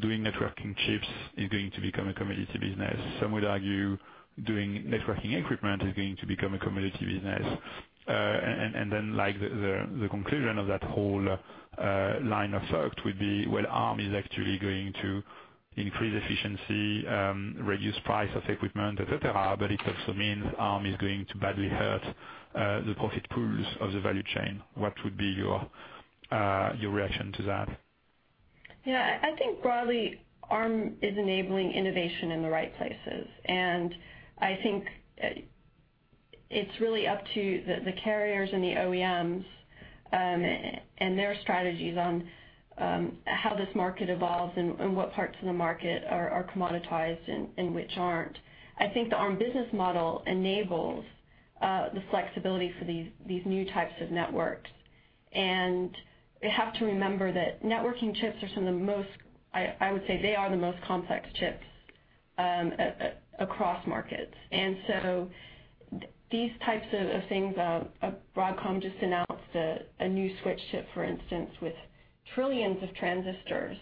doing networking chips is going to become a commodity business. Some would argue doing networking equipment is going to become a commodity business. Then the conclusion of that whole line of thought would be, well, Arm is actually going to increase efficiency, reduce price of equipment, et cetera. It also means Arm is going to badly hurt the profit pools of the value chain. What would be your reaction to that? I think broadly, Arm is enabling innovation in the right places. I think it's really up to the carriers and the OEMs, and their strategies on how this market evolves and what parts of the market are commoditized and which aren't. I think the Arm business model enables the flexibility for these new types of networks. We have to remember that networking chips are some of the most, I would say they are the most complex chips across markets. These types of things, Broadcom just announced a new switch chip, for instance, with trillions of transistors.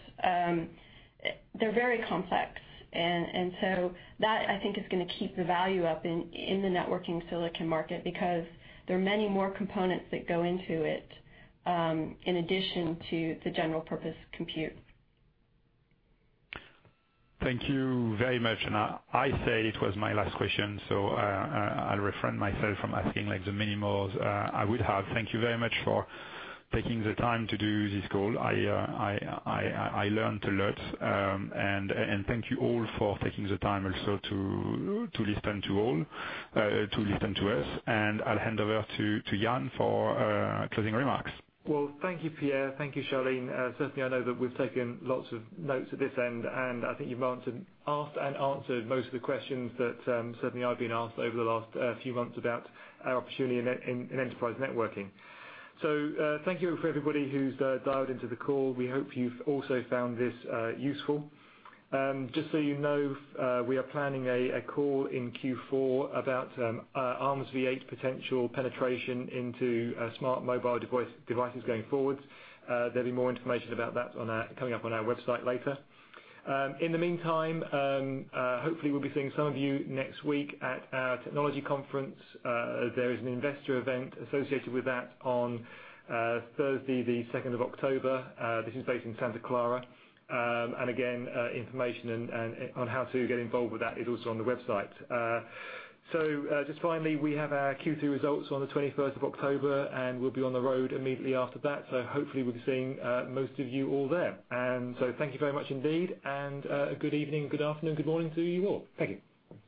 They're very complex. That I think is going to keep the value up in the networking silicon market because there are many more components that go into it, in addition to the general purpose compute. Thank you very much. I say it was my last question, I'll refrain myself from asking the many more I would have. Thank you very much for taking the time to do this call. I learned a lot. Thank you all for taking the time also to listen to us. I'll hand over to Ian for closing remarks. Thank you, Pierre. Thank you, Charlene. I know that we've taken lots of notes at this end, and I think you've asked and answered most of the questions that certainly I've been asked over the last few months about our opportunity in enterprise networking. Thank you for everybody who's dialed into the call. We hope you've also found this useful. We are planning a call in Q4 about Armv8 potential penetration into smart mobile devices going forward. There'll be more information about that coming up on our website later. Hopefully we'll be seeing some of you next week at our technology conference. There is an investor event associated with that on Thursday, the 2nd of October. This is based in Santa Clara. Information on how to get involved with that is also on the website. Finally, we have our Q2 results on the 21st of October, and we'll be on the road immediately after that. Hopefully we'll be seeing most of you all there. Thank you very much indeed, and good evening, good afternoon, good morning to you all. Thank you.